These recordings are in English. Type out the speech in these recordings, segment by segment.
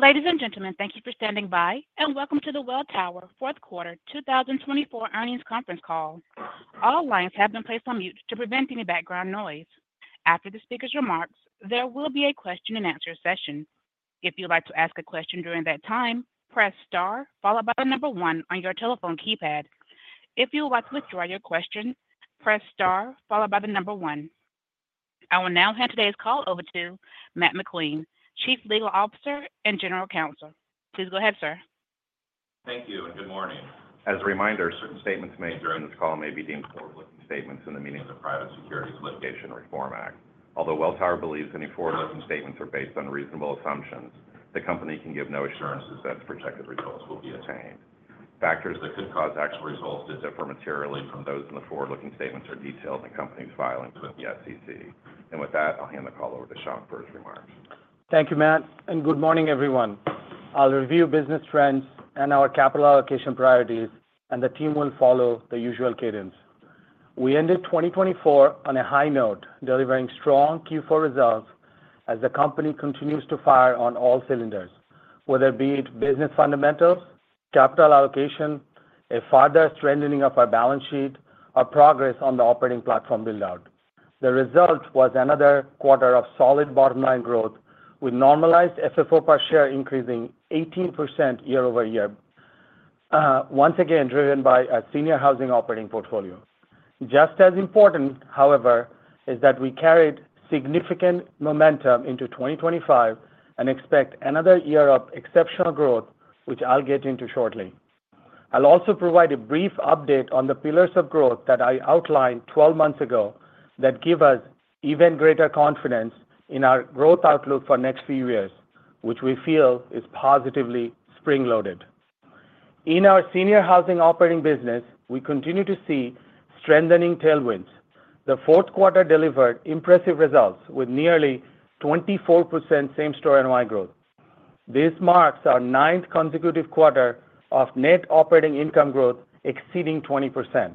Ladies and gentlemen, thank you for standing by, and welcome to the Welltower Fourth Quarter 2024 Earnings Conference Call. All lines have been placed on mute to prevent any background noise. After the speaker's remarks, there will be a question-and-answer session. If you'd like to ask a question during that time, press star followed by the number one on your telephone keypad. If you would like to withdraw your question, press star followed by the number one. I will now hand today's call over to Matt McQueen, Chief Legal Officer and General Counsel. Please go ahead, sir. Thank you, and good morning. As a reminder, certain statements made during this call may be deemed forward-looking statements in the meaning of the Private Securities Litigation Reform Act. Although Welltower believes any forward-looking statements are based on reasonable assumptions, the company can give no assurances that the projected results will be attained. Factors that could cause actual results to differ materially from those in the forward-looking statements are detailed in the company's filings with the SEC. And with that, I'll hand the call over to Shankh Mitra's remarks. Thank you, Matt, and good morning, everyone. I'll review business trends and our capital allocation priorities, and the team will follow the usual cadence. We ended 2024 on a high note, delivering strong Q4 results as the company continues to fire on all cylinders, whether it be business fundamentals, capital allocation, a further strengthening of our balance sheet, or progress on the operating platform build-out. The result was another quarter of solid bottom-line growth, with normalized FFO per share increasing 18% year-over-year, once again driven by our senior housing operating portfolio. Just as important, however, is that we carried significant momentum into 2025 and expect another year of exceptional growth, which I'll get into shortly. I'll also provide a brief update on the pillars of growth that I outlined 12 months ago that give us even greater confidence in our growth outlook for the next few years, which we feel is positively spring-loaded. In our senior housing operating business, we continue to see strengthening tailwinds. The fourth quarter delivered impressive results with nearly 24% same-store and NOI growth. This marks our ninth consecutive quarter of net operating income growth exceeding 20%.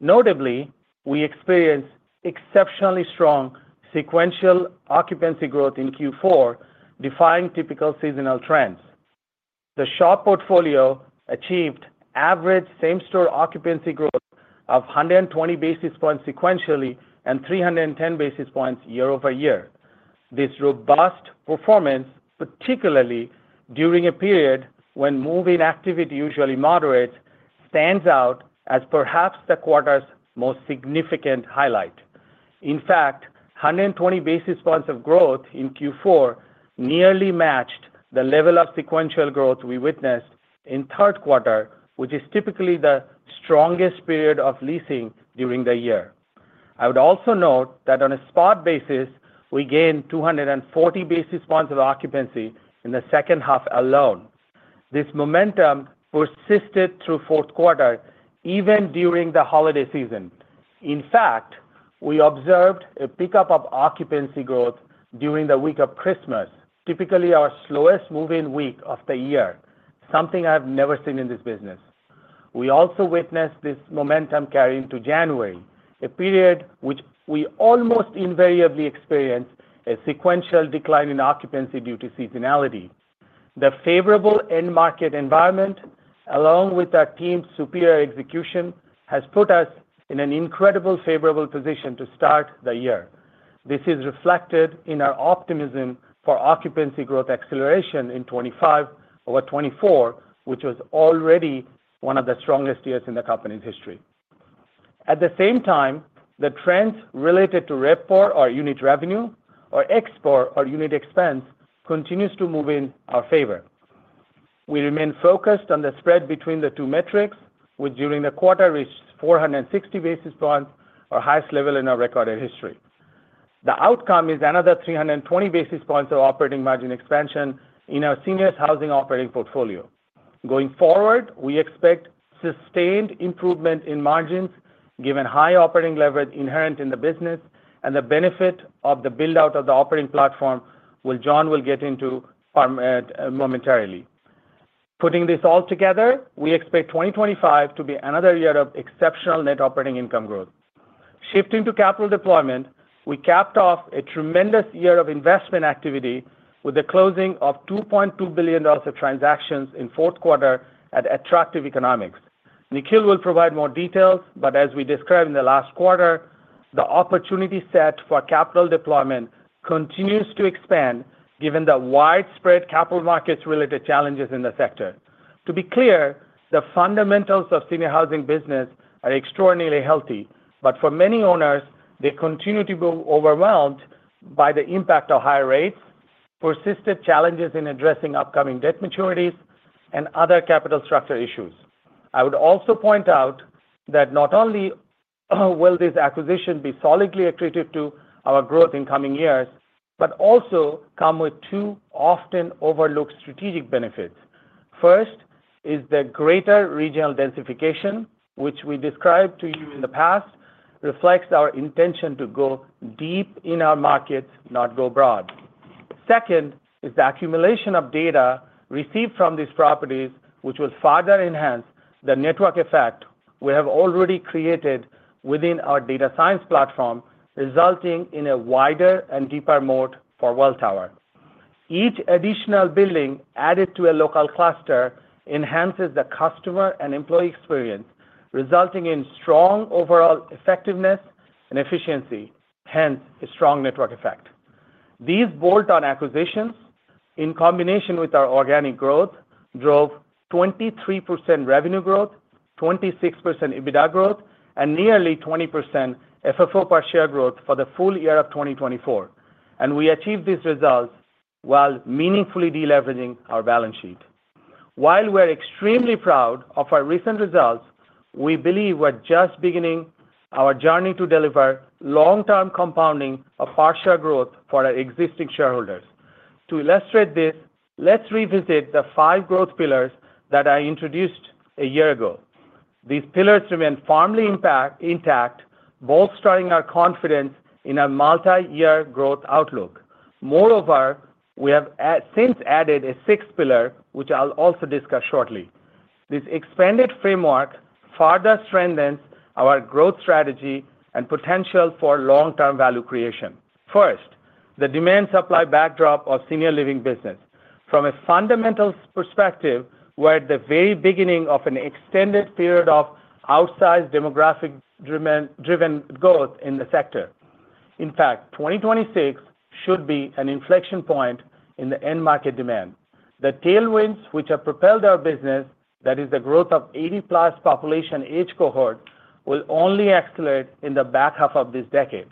Notably, we experienced exceptionally strong sequential occupancy growth in Q4, defying typical seasonal trends. The SHOP portfolio achieved average same-store occupancy growth of 120 basis points sequentially and 310 basis points year-over-year. This robust performance, particularly during a period when move-in activity usually moderates, stands out as perhaps the quarter's most significant highlight. In fact, 120 basis points of growth in Q4 nearly matched the level of sequential growth we witnessed in third quarter, which is typically the strongest period of leasing during the year. I would also note that on a spot basis, we gained 240 basis points of occupancy in the second half alone. This momentum persisted through fourth quarter, even during the holiday season. In fact, we observed a pickup of occupancy growth during the week of Christmas, typically our slowest moving week of the year, something I have never seen in this business. We also witnessed this momentum carry into January, a period which we almost invariably experience a sequential decline in occupancy due to seasonality. The favorable end-market environment, along with our team's superior execution, has put us in an incredibly favorable position to start the year. This is reflected in our optimism for occupancy growth acceleration in 2025 over 2024, which was already one of the strongest years in the company's history. At the same time, the trends related to RevPOR, or unit revenue or unit expense, continue to move in our favor. We remain focused on the spread between the two metrics, which during the quarter reached 460 basis points, our highest level in our recorded history. The outcome is another 320 basis points of operating margin expansion in our senior housing operating portfolio. Going forward, we expect sustained improvement in margins given high operating leverage inherent in the business and the benefit of the build-out of the operating platform, which John will get into momentarily. Putting this all together, we expect 2025 to be another year of exceptional net operating income growth. Shifting to capital deployment, we capped off a tremendous year of investment activity with the closing of $2.2 billion of transactions in fourth quarter at attractive economics. Nikhil will provide more details, but as we described in the last quarter, the opportunity set for capital deployment continues to expand given the widespread capital markets-related challenges in the sector. To be clear, the fundamentals of senior housing business are extraordinarily healthy, but for many owners, they continue to be overwhelmed by the impact of higher rates, persistent challenges in addressing upcoming debt maturities, and other capital structure issues. I would also point out that not only will this acquisition be solidly attributed to our growth in coming years, but also come with two often overlooked strategic benefits. First is the greater regional densification, which we described to you in the past, reflects our intention to go deep in our markets, not go broad. Second is the accumulation of data received from these properties, which will further enhance the network effect we have already created within our data science platform, resulting in a wider and deeper moat for Welltower. Each additional building added to a local cluster enhances the customer and employee experience, resulting in strong overall effectiveness and efficiency, hence a strong network effect. These bolt-on acquisitions, in combination with our organic growth, drove 23% revenue growth, 26% EBITDA growth, and nearly 20% FFO per share growth for the full year of 2024, and we achieved these results while meaningfully deleveraging our balance sheet. While we're extremely proud of our recent results, we believe we're just beginning our journey to deliver long-term compounding of per share growth for our existing shareholders. To illustrate this, let's revisit the five growth pillars that I introduced a year ago. These pillars remain firmly intact, bolstering our confidence in a multi-year growth outlook. Moreover, we have since added a sixth pillar, which I'll also discuss shortly. This expanded framework further strengthens our growth strategy and potential for long-term value creation. First, the demand-supply backdrop of senior living business. From a fundamental perspective, we're at the very beginning of an extended period of outsized demographic-driven growth in the sector. In fact, 2026 should be an inflection point in the end-market demand. The tailwinds which have propelled our business, that is, the growth of 80-plus population age cohort, will only accelerate in the back half of this decade.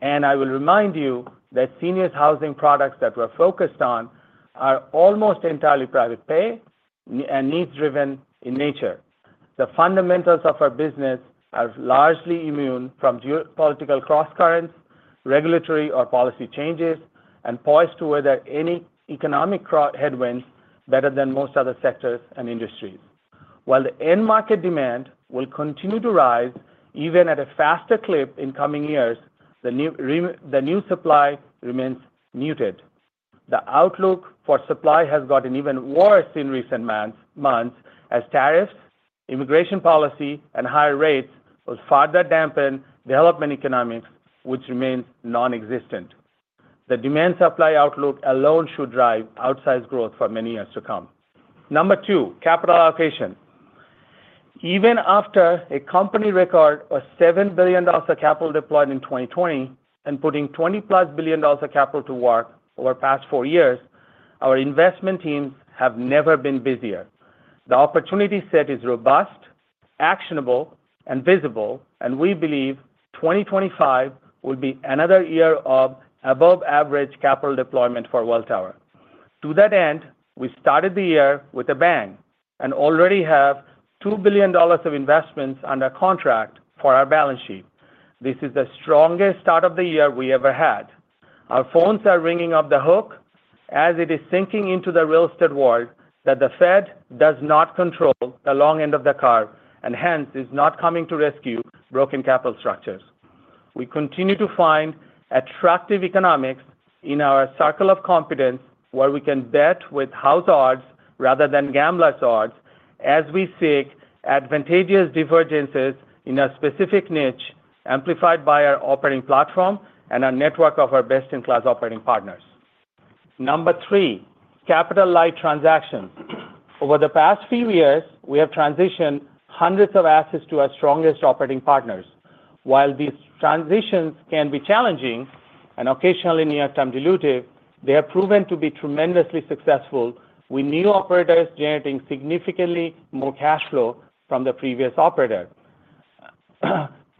And I will remind you that seniors housing products that we're focused on are almost entirely private pay and needs-driven in nature. The fundamentals of our business are largely immune from geopolitical cross-currents, regulatory or policy changes, and poised to weather any economic headwinds better than most other sectors and industries. While the end-market demand will continue to rise, even at a faster clip in coming years, the new supply remains muted. The outlook for supply has gotten even worse in recent months as tariffs, immigration policy, and higher rates will further dampen development economics, which remains nonexistent. The demand-supply outlook alone should drive outsized growth for many years to come. Number two, capital allocation. Even after a company record of $7 billion of capital deployed in 2020 and putting $20-plus billion of capital to work over the past four years, our investment teams have never been busier. The opportunity set is robust, actionable, and visible, and we believe 2025 will be another year of above-average capital deployment for Welltower. To that end, we started the year with a bang and already have $2 billion of investments under contract for our balance sheet. This is the strongest start of the year we ever had. Our phones are ringing off the hook as it is sinking into the real estate world that the Fed does not control the long end of the curve and hence is not coming to rescue broken capital structures. We continue to find attractive economics in our circle of competence where we can bet with house odds rather than gambler's odds as we seek advantageous divergences in a specific niche amplified by our operating platform and our network of our best-in-class operating partners. Number three, capital-light transactions. Over the past few years, we have transitioned hundreds of assets to our strongest operating partners. While these transitions can be challenging and occasionally near-term dilutive, they have proven to be tremendously successful with new operators generating significantly more cash flow from the previous operator.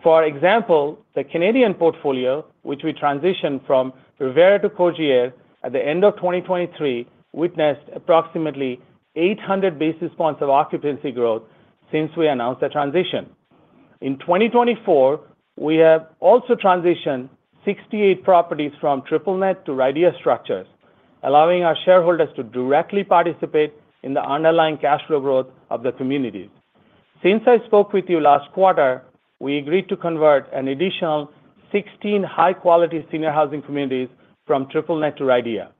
For example, the Canadian portfolio, which we transitioned from Revera to Cogir at the end of 2023, witnessed approximately 800 basis points of occupancy growth since we announced the transition. In 2024, we have also transitioned 68 properties from triple-net to RIDEA structures, allowing our shareholders to directly participate in the underlying cash flow growth of the communities. Since I spoke with you last quarter, we agreed to convert an additional 16 high-quality senior housing communities from triple-net to RIDEA.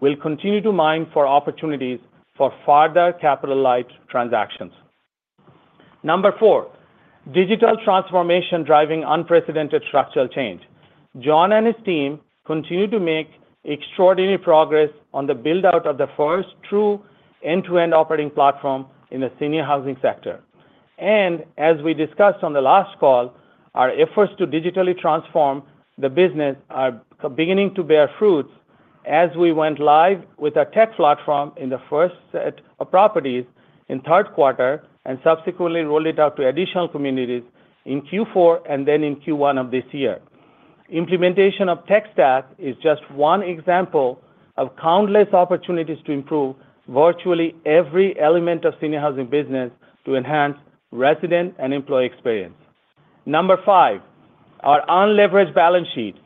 We'll continue to mine for opportunities for further capital-light transactions. Number four, digital transformation driving unprecedented structural change. John and his team continue to make extraordinary progress on the build-out of the first true end-to-end operating platform in the senior housing sector, and as we discussed on the last call, our efforts to digitally transform the business are beginning to bear fruits as we went live with a tech platform in the first set of properties in third quarter and subsequently rolled it out to additional communities in Q4 and then in Q1 of this year. Implementation of tech stacks is just one example of countless opportunities to improve virtually every element of senior housing business to enhance resident and employee experience. Number five, our unleveraged balance sheet.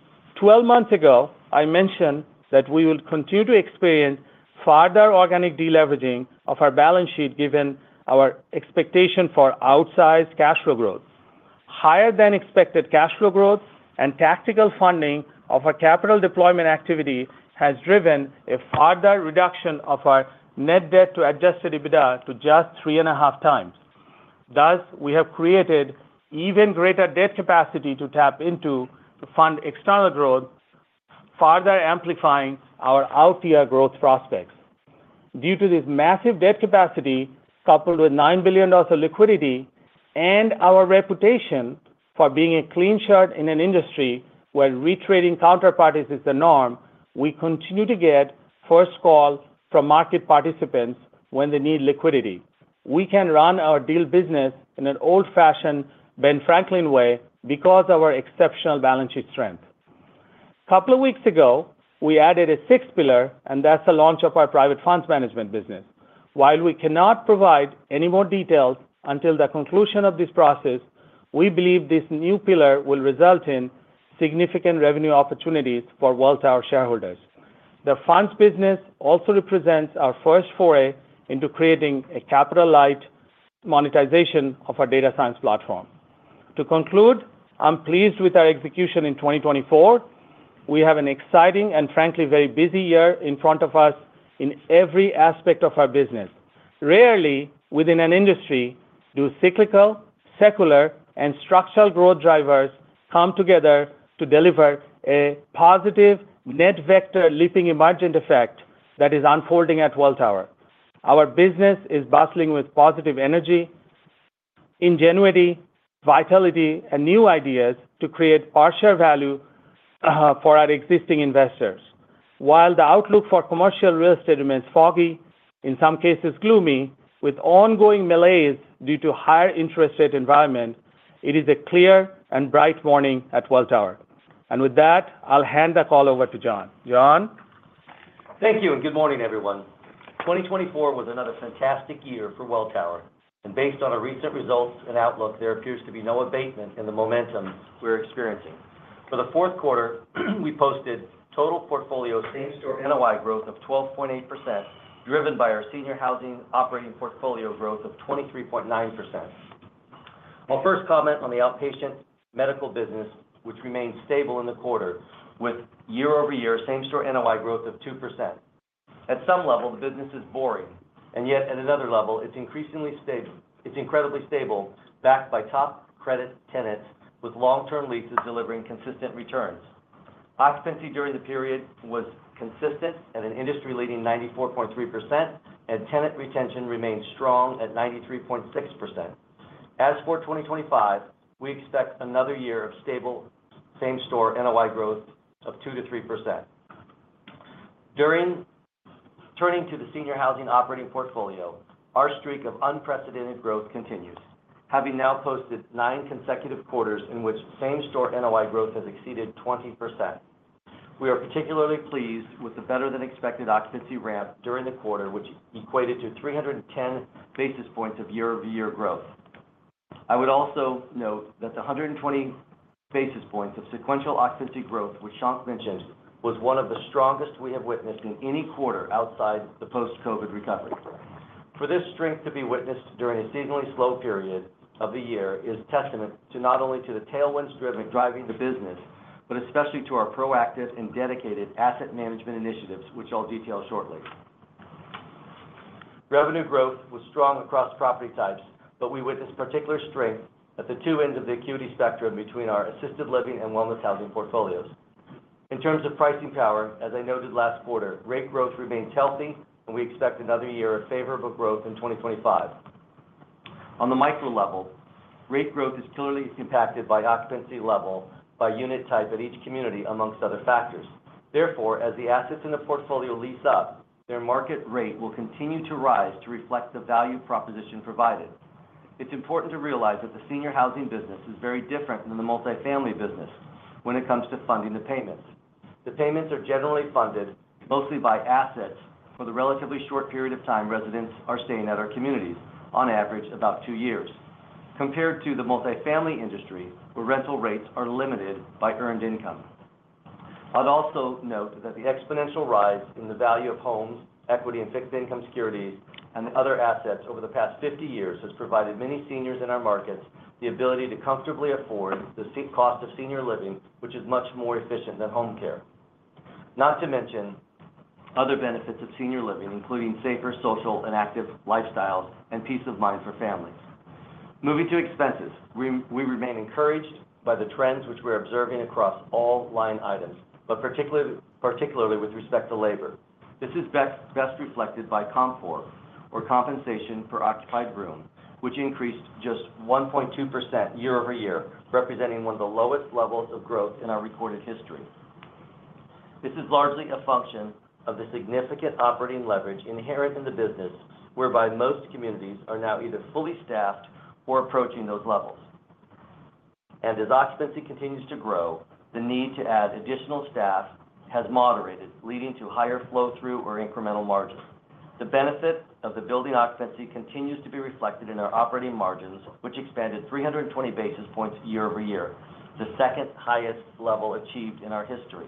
12 months ago, I mentioned that we will continue to experience further organic deleveraging of our balance sheet given our expectation for outsized cash flow growth. Higher-than-expected cash flow growth and tactical funding of our capital deployment activity has driven a further reduction of our net debt to Adjusted EBITDA to just three and a half times. Thus, we have created even greater debt capacity to tap into to fund external growth, further amplifying our out-year growth prospects. Due to this massive debt capacity, coupled with $9 billion of liquidity and our reputation for being a clean shirt in an industry where retraining counterparties is the norm, we continue to get first call from market participants when they need liquidity. We can run our deal business in an old-fashioned Ben Franklin way because of our exceptional balance sheet strength. A couple of weeks ago, we added a sixth pillar, and that's the launch of our private funds management business. While we cannot provide any more details until the conclusion of this process, we believe this new pillar will result in significant revenue opportunities for Welltower shareholders. The funds business also represents our first foray into creating a capital-light monetization of our data science platform. To conclude, I'm pleased with our execution in 2024. We have an exciting and frankly very busy year in front of us in every aspect of our business. Rarely within an industry do cyclical, secular, and structural growth drivers come together to deliver a positive net vector leaping emergent effect that is unfolding at Welltower. Our business is bustling with positive energy, ingenuity, vitality, and new ideas to create per share value for our existing investors. While the outlook for commercial real estate remains foggy, in some cases gloomy, with ongoing malaise due to higher interest rate environment, it is a clear and bright morning at Welltower. And with that, I'll hand the call over to John. John? Thank you. And good morning, everyone. 2024 was another fantastic year for Welltower. And based on our recent results and outlook, there appears to be no abatement in the momentum we're experiencing. For the fourth quarter, we posted total portfolio same-store NOI growth of 12.8%, driven by our senior housing operating portfolio growth of 23.9%. I'll first comment on the outpatient medical business, which remained stable in the quarter, with year-over-year same-store NOI growth of 2%. At some level, the business is boring. And yet at another level, it's increasingly stable. It's incredibly stable, backed by top credit tenants, with long-term leases delivering consistent returns. Occupancy during the period was consistent at an industry-leading 94.3%, and tenant retention remained strong at 93.6%. As for 2025, we expect another year of stable same-store NOI growth of 2%-3%. Turning to the senior housing operating portfolio, our streak of unprecedented growth continues, having now posted nine consecutive quarters in which same-store NOI growth has exceeded 20%. We are particularly pleased with the better-than-expected occupancy ramp during the quarter, which equated to 310 basis points of year-over-year growth. I would also note that the 120 basis points of sequential occupancy growth, which Shankh mentioned, was one of the strongest we have witnessed in any quarter outside the post-COVID recovery. For this strength to be witnessed during a seasonally slow period of the year is testament not only to the tailwinds driving the business, but especially to our proactive and dedicated asset management initiatives, which I'll detail shortly. Revenue growth was strong across property types, but we witnessed particular strength at the two ends of the acuity spectrum between our assisted living and wellness housing portfolios. In terms of pricing power, as I noted last quarter, rate growth remains healthy, and we expect another year of favorable growth in 2025. On the micro level, rate growth is clearly impacted by occupancy level, by unit type at each community, among other factors. Therefore, as the assets in the portfolio lease up, their market rate will continue to rise to reflect the value proposition provided. It's important to realize that the senior housing business is very different than the multifamily business when it comes to funding the payments. The payments are generally funded mostly by assets for the relatively short period of time residents are staying at our communities, on average about two years, compared to the multifamily industry, where rental rates are limited by earned income. I'd also note that the exponential rise in the value of homes, equity, and fixed income securities, and other assets over the past 50 years has provided many seniors in our markets the ability to comfortably afford the cost of senior living, which is much more efficient than home care. Not to mention other benefits of senior living, including safer social and active lifestyles and peace of mind for families. Moving to expenses, we remain encouraged by the trends which we're observing across all line items, but particularly with respect to labor. This is best reflected by compensation per occupied room, which increased just 1.2% year-over-year, representing one of the lowest levels of growth in our recorded history. This is largely a function of the significant operating leverage inherent in the business, whereby most communities are now either fully staffed or approaching those levels, and as occupancy continues to grow, the need to add additional staff has moderated, leading to higher flow-through or incremental margins. The benefit of the building occupancy continues to be reflected in our operating margins, which expanded 320 basis points year-over-year, the second highest level achieved in our history.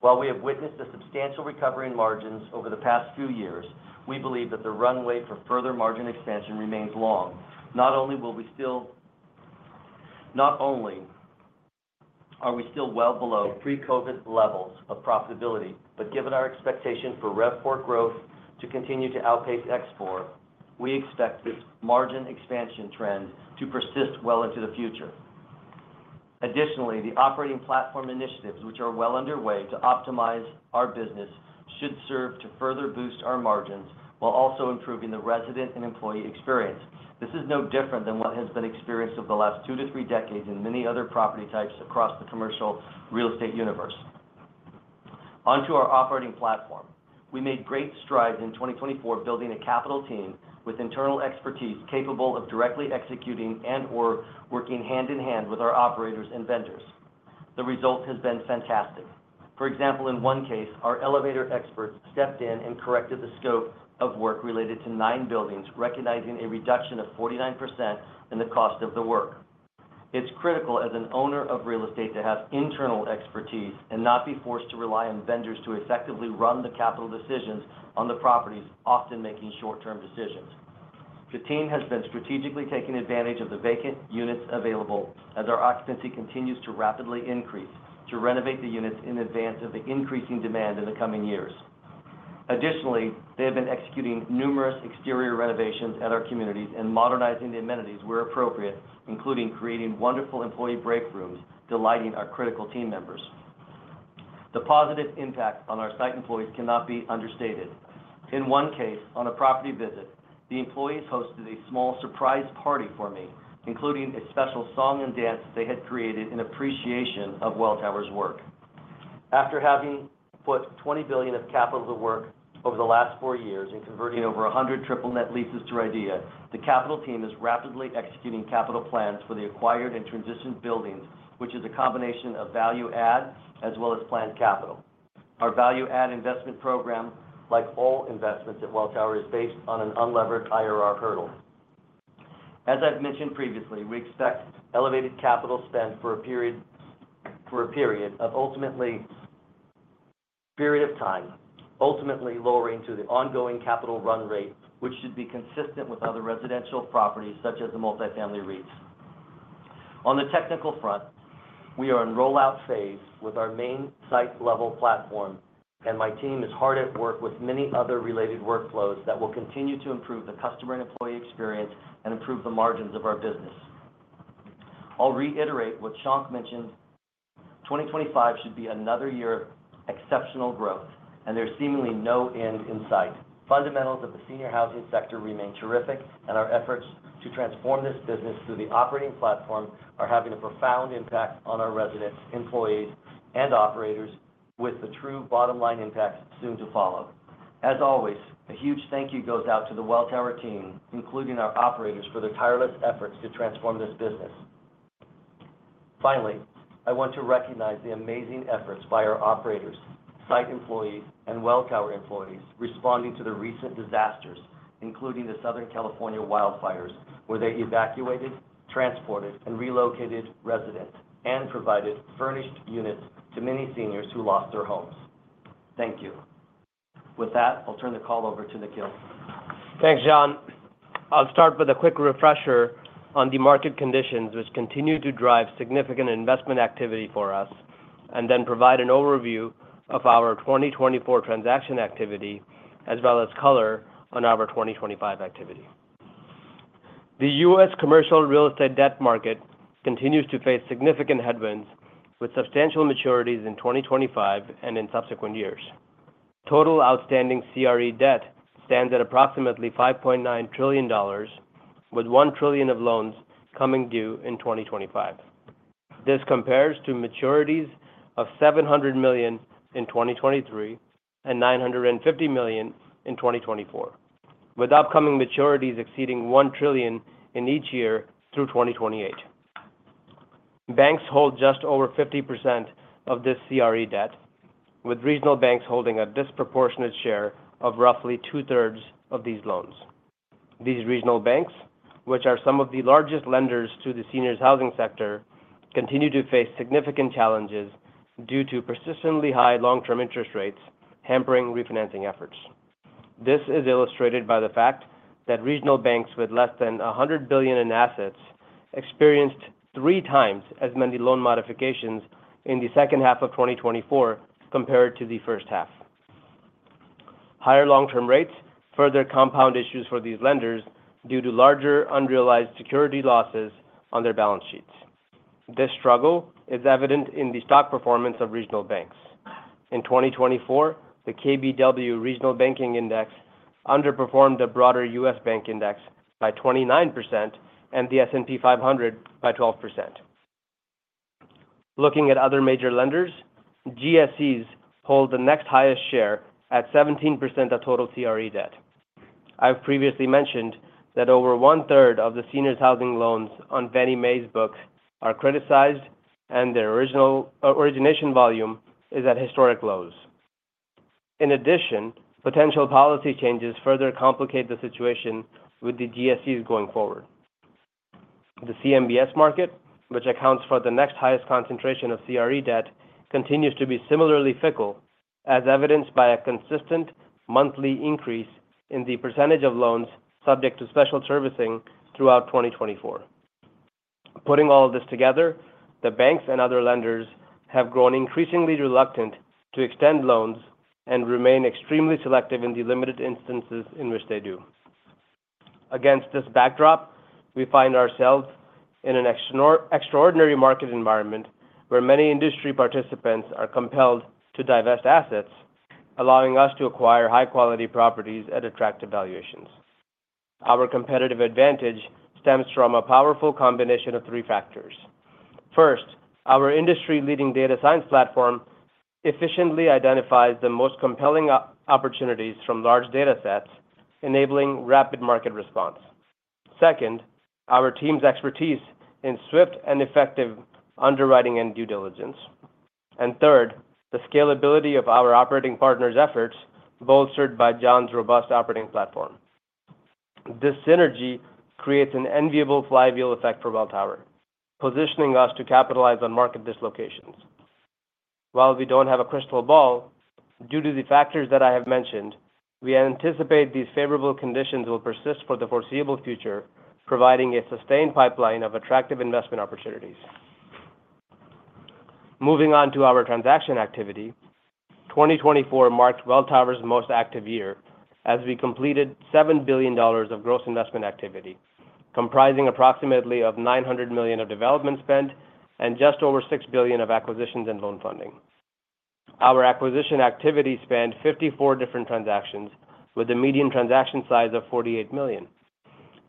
While we have witnessed a substantial recovery in margins over the past few years, we believe that the runway for further margin expansion remains long. Not only are we still well below pre-COVID levels of profitability, but given our expectation for RevPOR growth to continue to outpace ExPOR, we expect this margin expansion trend to persist well into the future. Additionally, the operating platform initiatives, which are well underway to optimize our business, should serve to further boost our margins while also improving the resident and employee experience. This is no different than what has been experienced over the last two to three decades in many other property types across the commercial real estate universe. Onto our operating platform. We made great strides in 2024 building a capital team with internal expertise capable of directly executing and/or working hand-in-hand with our operators and vendors. The result has been fantastic. For example, in one case, our elevator experts stepped in and corrected the scope of work related to nine buildings, recognizing a reduction of 49% in the cost of the work. It's critical as an owner of real estate to have internal expertise and not be forced to rely on vendors to effectively run the capital decisions on the properties, often making short-term decisions. The team has been strategically taking advantage of the vacant units available as our occupancy continues to rapidly increase to renovate the units in advance of the increasing demand in the coming years. Additionally, they have been executing numerous exterior renovations at our communities and modernizing the amenities where appropriate, including creating wonderful employee break rooms delighting our critical team members. The positive impact on our site employees cannot be understated. In one case, on a property visit, the employees hosted a small surprise party for me, including a special song and dance they had created in appreciation of Welltower's work. After having put $20 billion of capital to work over the last four years and converting over 100 triple-net leases to RIDEA, the capital team is rapidly executing capital plans for the acquired and transitioned buildings, which is a combination of value-add as well as planned capital. Our value-add investment program, like all investments at Welltower, is based on an unlevered IRR hurdle. As I've mentioned previously, we expect elevated capital spend for a period of time, ultimately lowering to the ongoing capital run rate, which should be consistent with other residential properties such as the multifamily REITs. On the technical front, we are in rollout phase with our main site-level platform, and my team is hard at work with many other related workflows that will continue to improve the customer and employee experience and improve the margins of our business. I'll reiterate what Shankh mentioned. 2025 should be another year of exceptional growth, and there's seemingly no end in sight. Fundamentals of the senior housing sector remain terrific, and our efforts to transform this business through the operating platform are having a profound impact on our residents, employees, and operators, with the true bottom-line impacts soon to follow. As always, a huge thank you goes out to the Welltower team, including our operators, for their tireless efforts to transform this business. Finally, I want to recognize the amazing efforts by our operators, site employees, and Welltower employees responding to the recent disasters, including the Southern California wildfires, where they evacuated, transported, and relocated residents and provided furnished units to many seniors who lost their homes. Thank you. With that, I'll turn the call over to Nikhil. Thanks, John. I'll start with a quick refresher on the market conditions, which continue to drive significant investment activity for us, and then provide an overview of our 2024 transaction activity as well as color on our 2025 activity. The U.S. commercial real estate debt market continues to face significant headwinds with substantial maturities in 2025 and in subsequent years. Total outstanding CRE debt stands at approximately $5.9 trillion, with $1 trillion of loans coming due in 2025. This compares to maturities of $700 million in 2023 and $950 million in 2024, with upcoming maturities exceeding $1 trillion in each year through 2028. Banks hold just over 50% of this CRE debt, with regional banks holding a disproportionate share of roughly two-thirds of these loans. These regional banks, which are some of the largest lenders to the seniors' housing sector, continue to face significant challenges due to persistently high long-term interest rates hampering refinancing efforts. This is illustrated by the fact that regional banks with less than $100 billion in assets experienced three times as many loan modifications in the second half of 2024 compared to the first half. Higher long-term rates further compound issues for these lenders due to larger unrealized security losses on their balance sheets. This struggle is evident in the stock performance of regional banks. In 2024, the KBW Regional Banking Index underperformed the broader U.S. Bank Index by 29% and the S&P 500 by 12%. Looking at other major lenders, GSEs hold the next highest share at 17% of total CRE debt. I've previously mentioned that over one-third of the seniors' housing loans on Fannie Mae's book are criticized, and their origination volume is at historic lows. In addition, potential policy changes further complicate the situation with the GSEs going forward. The CMBS market, which accounts for the next highest concentration of CRE debt, continues to be similarly fickle, as evidenced by a consistent monthly increase in the percentage of loans subject to special servicing throughout 2024. Putting all of this together, the banks and other lenders have grown increasingly reluctant to extend loans and remain extremely selective in the limited instances in which they do. Against this backdrop, we find ourselves in an extraordinary market environment where many industry participants are compelled to divest assets, allowing us to acquire high-quality properties at attractive valuations. Our competitive advantage stems from a powerful combination of three factors. First, our industry-leading data science platform efficiently identifies the most compelling opportunities from large data sets, enabling rapid market response. Second, our team's expertise in swift and effective underwriting and due diligence. And third, the scalability of our operating partners' efforts, bolstered by John's robust operating platform. This synergy creates an enviable flywheel effect for Welltower, positioning us to capitalize on market dislocations. While we don't have a crystal ball, due to the factors that I have mentioned, we anticipate these favorable conditions will persist for the foreseeable future, providing a sustained pipeline of attractive investment opportunities. Moving on to our transaction activity, 2024 marked Welltower's most active year as we completed $7 billion of gross investment activity, comprising approximately $900 million of development spend and just over $6 billion of acquisitions and loan funding. Our acquisition activity spanned 54 different transactions, with a median transaction size of $48 million.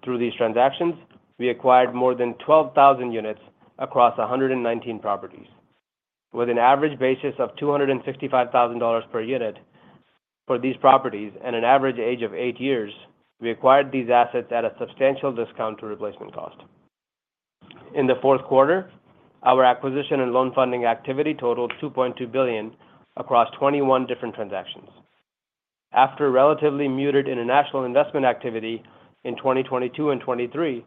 Through these transactions, we acquired more than 12,000 units across 119 properties. With an average basis of $265,000 per unit for these properties and an average age of eight years, we acquired these assets at a substantial discount to replacement cost. In the fourth quarter, our acquisition and loan funding activity totaled $2.2 billion across 21 different transactions. After relatively muted international investment activity in 2022 and 2023,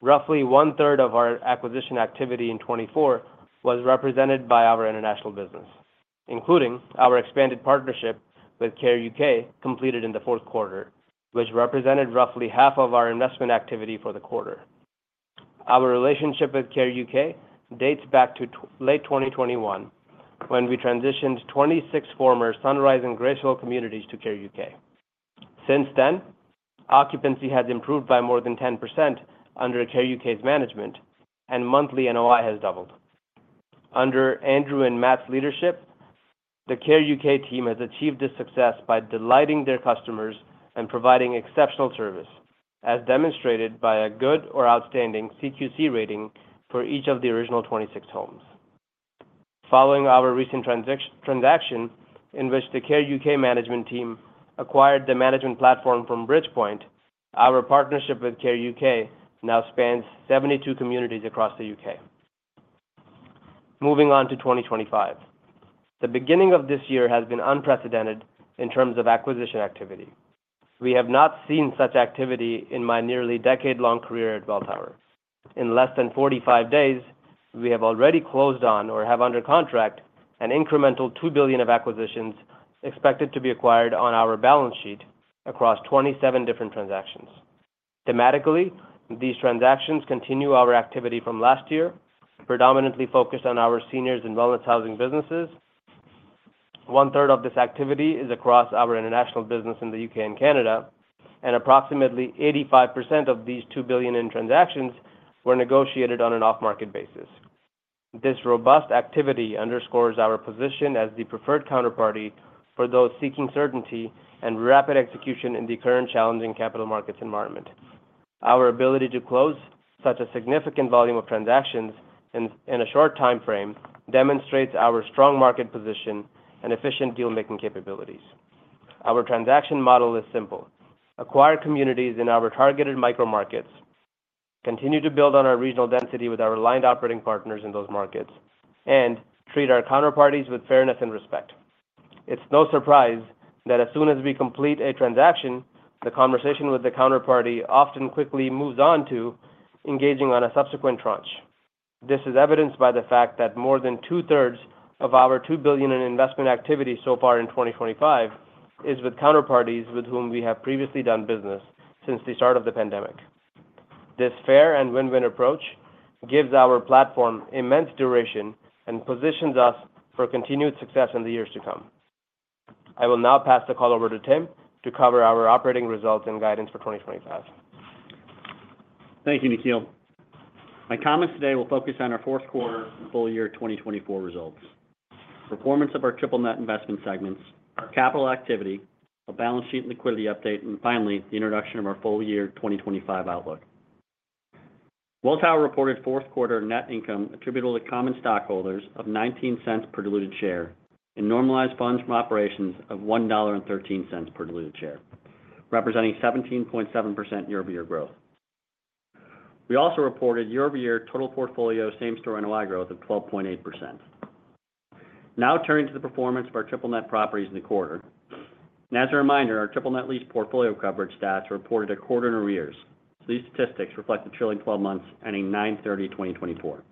roughly one-third of our acquisition activity in 2024 was represented by our international business, including our expanded partnership with Care UK completed in the fourth quarter, which represented roughly half of our investment activity for the quarter. Our relationship with Care UK dates back to late 2021, when we transitioned 26 former Sunrise and Gracewell communities to Care UK. Since then, occupancy has improved by more than 10% under Care UK's management, and monthly NOI has doubled. Under Andrew and Matt's leadership, the Care UK team has achieved this success by delighting their customers and providing exceptional service, as demonstrated by a good or outstanding CQC rating for each of the original 26 homes. Following our recent transaction, in which the Care UK management team acquired the management platform from Bridgepoint, our partnership with Care UK now spans 72 communities across the U.K. Moving on to 2025, the beginning of this year has been unprecedented in terms of acquisition activity. We have not seen such activity in my nearly decade-long career at Welltower. In less than 45 days, we have already closed on or have under contract an incremental $2 billion of acquisitions expected to be acquired on our balance sheet across 27 different transactions. Thematically, these transactions continue our activity from last year, predominantly focused on our seniors' and wellness housing businesses. One-third of this activity is across our international business in the U.K. and Canada, and approximately 85% of these $2 billion in transactions were negotiated on an off-market basis. This robust activity underscores our position as the preferred counterparty for those seeking certainty and rapid execution in the current challenging capital markets environment. Our ability to close such a significant volume of transactions in a short time frame demonstrates our strong market position and efficient deal-making capabilities. Our transaction model is simple: acquire communities in our targeted micro-markets, continue to build on our regional density with our aligned operating partners in those markets, and treat our counterparties with fairness and respect. It's no surprise that as soon as we complete a transaction, the conversation with the counterparty often quickly moves on to engaging on a subsequent tranche. This is evidenced by the fact that more than two-thirds of our $2 billion in investment activity so far in 2025 is with counterparties with whom we have previously done business since the start of the pandemic. This fair and win-win approach gives our platform immense duration and positions us for continued success in the years to come. I will now pass the call over to Tim to cover our operating results and guidance for 2025. Thank you, Nikhil. My comments today will focus on our fourth quarter and full year 2024 results, performance of our triple-net investment segments, our capital activity, a balance sheet liquidity update, and finally, the introduction of our full year 2025 outlook. Welltower reported fourth quarter net income attributable to common stockholders of $0.19 per diluted share and normalized funds from operations of $1.13 per diluted share, representing 17.7% year-over-year growth. We also reported year-over-year total portfolio same-store NOI growth of 12.8%. Now turning to the performance of our triple-net properties in the quarter. As a reminder, our triple-net lease portfolio coverage stats reported a quarter in arrears. These statistics reflect the trailing 12 months ending 9/30/2024.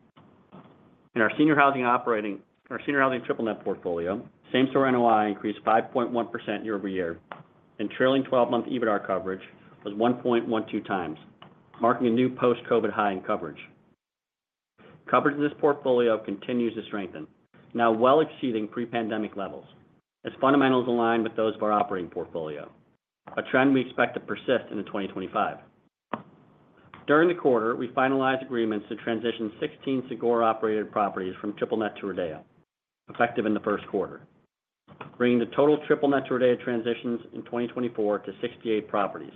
In our senior housing triple-net portfolio, same-store NOI increased 5.1% year-over-year, and trailing 12-month EBITDA coverage was 1.12 times, marking a new post-COVID high in coverage. Coverage in this portfolio continues to strengthen, now well exceeding pre-pandemic levels, as fundamentals align with those of our operating portfolio, a trend we expect to persist into 2025. During the quarter, we finalized agreements to transition 16 Sagora-operated properties from triple-net to RIDEA, effective in the first quarter, bringing the total triple-net to RIDEA transitions in 2024 to 68 properties.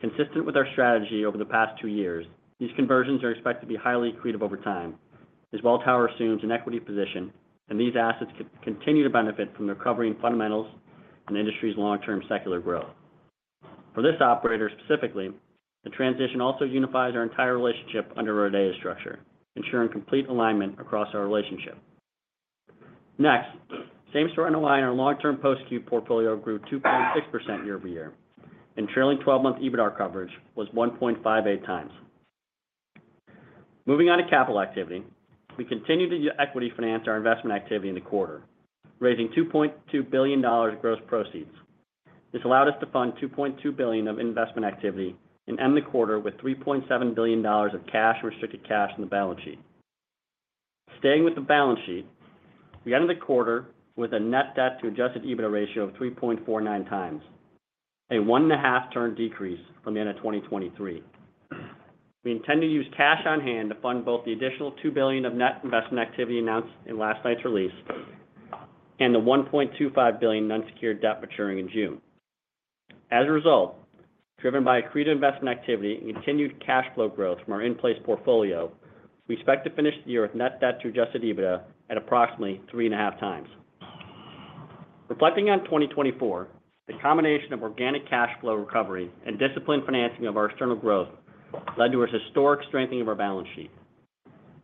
Consistent with our strategy over the past two years, these conversions are expected to be highly accretive over time, as Welltower assumes an equity position, and these assets continue to benefit from the recovery in fundamentals and industry's long-term secular growth. For this operator specifically, the transition also unifies our entire relationship under our RIDEA structure, ensuring complete alignment across our relationship. Next, same-store NOI in our long-term post-acute portfolio grew 2.6% year-over-year, and trailing 12-month EBITDA coverage was 1.58 times. Moving on to capital activity, we continued to equity finance our investment activity in the quarter, raising $2.2 billion of gross proceeds. This allowed us to fund $2.2 billion of investment activity and end the quarter with $3.7 billion of cash and restricted cash on the balance sheet. Staying with the balance sheet, we ended the quarter with a net debt-to-Adjusted EBITDA ratio of 3.49 times, a one-and-a-half-turn decrease from the end of 2023. We intend to use cash on hand to fund both the additional $2 billion of net investment activity announced in last night's release and the $1.25 billion of unsecured debt maturing in June. As a result, driven by accretive investment activity and continued cash flow growth from our in-place portfolio, we expect to finish the year with net debt-to-Adjusted EBITDA at approximately three-and-a-half times. Reflecting on 2024, the combination of organic cash flow recovery and disciplined financing of our external growth led to a historic strengthening of our balance sheet.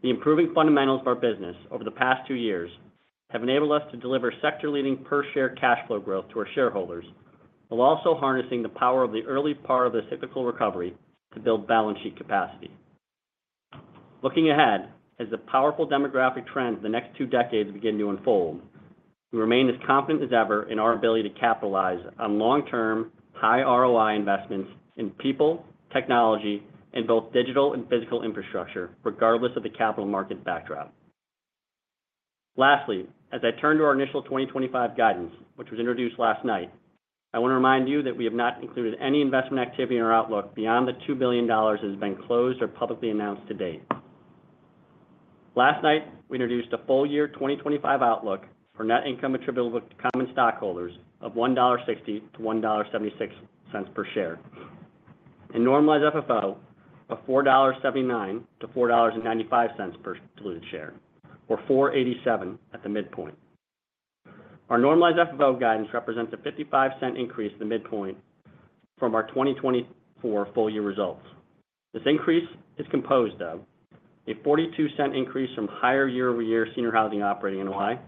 The improving fundamentals of our business over the past two years have enabled us to deliver sector-leading per-share cash flow growth to our shareholders, while also harnessing the power of the early part of this cyclical recovery to build balance sheet capacity. Looking ahead, as the powerful demographic trends of the next two decades begin to unfold, we remain as confident as ever in our ability to capitalize on long-term high ROI investments in people, technology, and both digital and physical infrastructure, regardless of the capital market backdrop. Lastly, as I turn to our initial 2025 guidance, which was introduced last night, I want to remind you that we have not included any investment activity in our outlook beyond the $2 billion that has been closed or publicly announced to date. Last night, we introduced a full year 2025 outlook for net income attributable to common stockholders of $1.60-$1.76 per share, and normalized FFO of $4.79-$4.95 per diluted share, or $4.87 at the midpoint. Our normalized FFO guidance represents a 55% increase at the midpoint from our 2024 full year results. This increase is composed of a $0.42 increase from higher year-over-year senior housing operating NOI,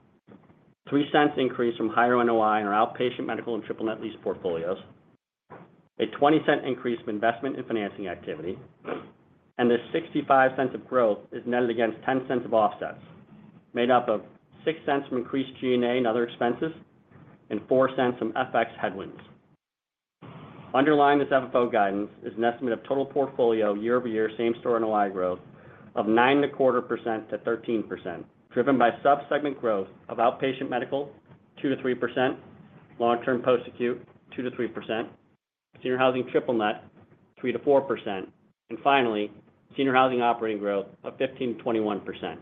a $0.03 increase from higher NOI in our outpatient medical and Triple-net lease portfolios, a $0.20 increase from investment and financing activity, and this $0.65 of growth is netted against $0.10 of offsets, made up of $0.06 from increased G&A and other expenses and $0.04 from FX headwinds. Underlying this FFO guidance is an estimate of total portfolio year-over-year same-store NOI growth of 9.25%-13%, driven by subsegment growth of outpatient medical 2%-3%, long-term post-acute 2%-3%, senior housing Triple-net 3%-4%, and finally, senior housing operating growth of 15%-21%.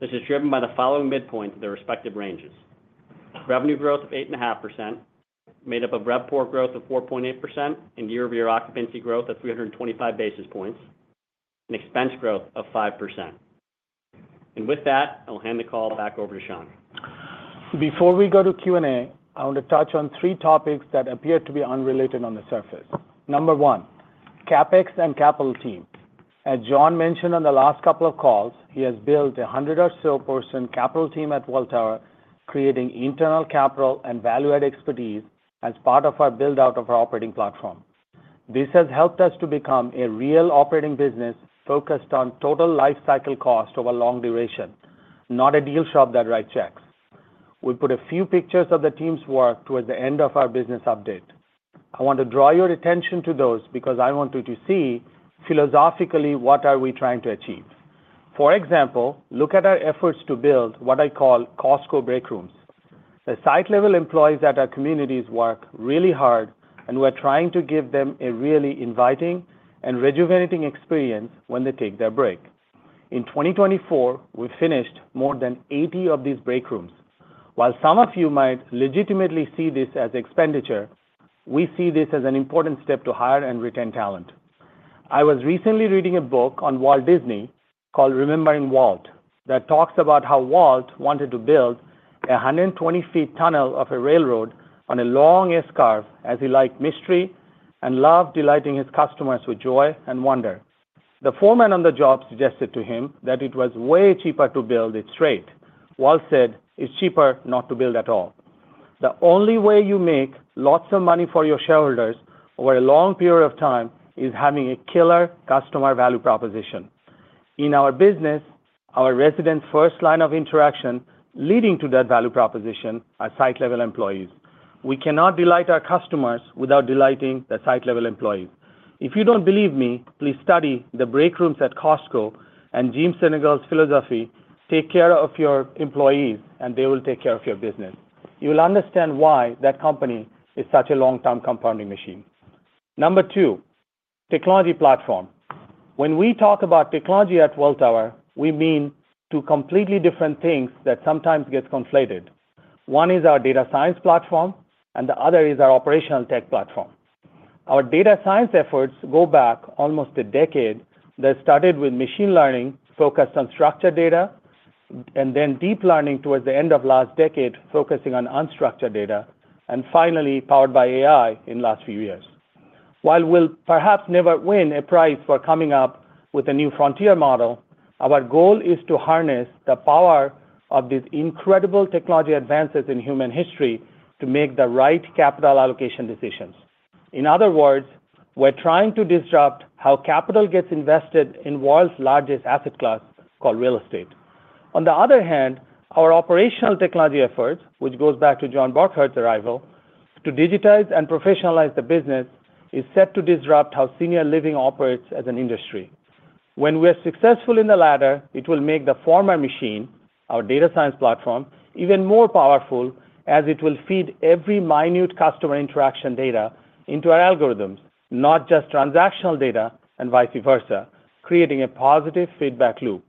This is driven by the following midpoint of their respective ranges: revenue growth of 8.5%, made up of RevPOR growth of 4.8%, and year-over-year occupancy growth of 325 basis points, and expense growth of 5%. And with that, I will hand the call back over to Shankh. Before we go to Q&A, I want to touch on three topics that appear to be unrelated on the surface. Number one, CapEx and capital team. As John mentioned on the last couple of calls, he has built a 100-or-so person capital team at Welltower, creating internal capital and value-add expertise as part of our build-out of our operating platform. This has helped us to become a real operating business focused on total lifecycle cost over long duration, not a deal shop that writes checks. We put a few pictures of the team's work towards the end of our business update. I want to draw your attention to those because I want you to see philosophically what are we trying to achieve. For example, look at our efforts to build what I call Costco break rooms. The site-level employees at our communities work really hard, and we are trying to give them a really inviting and rejuvenating experience when they take their break. In 2024, we finished more than 80 of these break rooms. While some of you might legitimately see this as expenditure, we see this as an important step to hire and retain talent. I was recently reading a book on Walt Disney called Remembering Walt that talks about how Walt wanted to build a 120-feet tunnel of a railroad on a long S-curve as he liked mystery and loved delighting his customers with joy and wonder. The foreman on the job suggested to him that it was way cheaper to build it straight. Walt said, "It's cheaper not to build at all." The only way you make lots of money for your shareholders over a long period of time is having a killer customer value proposition. In our business, our residents' first line of interaction leading to that value proposition are site-level employees. We cannot delight our customers without delighting the site-level employees. If you don't believe me, please study the break rooms at Costco and Jim Sinegal's philosophy, "Take care of your employees, and they will take care of your business." You will understand why that company is such a long-term compounding machine. Number two, technology platform. When we talk about technology at Welltower, we mean two completely different things that sometimes get conflated. One is our data science platform, and the other is our operational tech platform. Our data science efforts go back almost a decade. They started with machine learning focused on structured data, and then deep learning towards the end of last decade focusing on unstructured data, and finally, powered by AI in the last few years. While we'll perhaps never win a prize for coming up with a new frontier model, our goal is to harness the power of these incredible technology advances in human history to make the right capital allocation decisions. In other words, we're trying to disrupt how capital gets invested in world's largest asset class called real estate. On the other hand, our operational technology efforts, which goes back to John Burkart's arrival, to digitize and professionalize the business, is set to disrupt how senior living operates as an industry. When we are successful in the latter, it will make the former machine, our data science platform, even more powerful, as it will feed every minute customer interaction data into our algorithms, not just transactional data and vice versa, creating a positive feedback loop.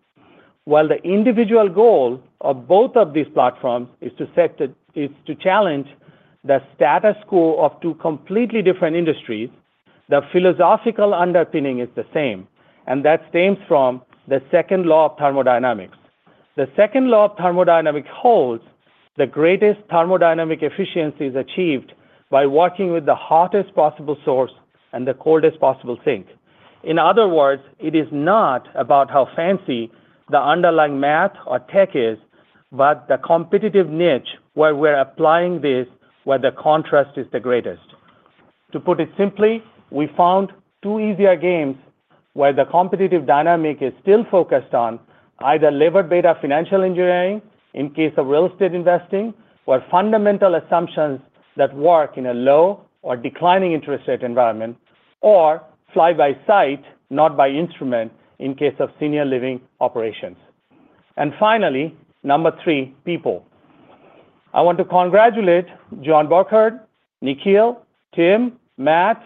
While the individual goal of both of these platforms is to challenge the status quo of two completely different industries, the philosophical underpinning is the same, and that stems from the second law of thermodynamics. The second law of thermodynamics holds the greatest thermodynamic efficiency is achieved by working with the hottest possible source and the coldest possible sink. In other words, it is not about how fancy the underlying math or tech is, but the competitive niche where we're applying this, where the contrast is the greatest. To put it simply, we found two easier games where the competitive dynamic is still focused on either labor-based financial engineering in case of real estate investing, or fundamental assumptions that work in a low or declining interest rate environment, or fly-by-sight, not by instrument, in case of senior living operations. And finally, number three, people. I want to congratulate John Burkart, Nikhil, Tim, Matt,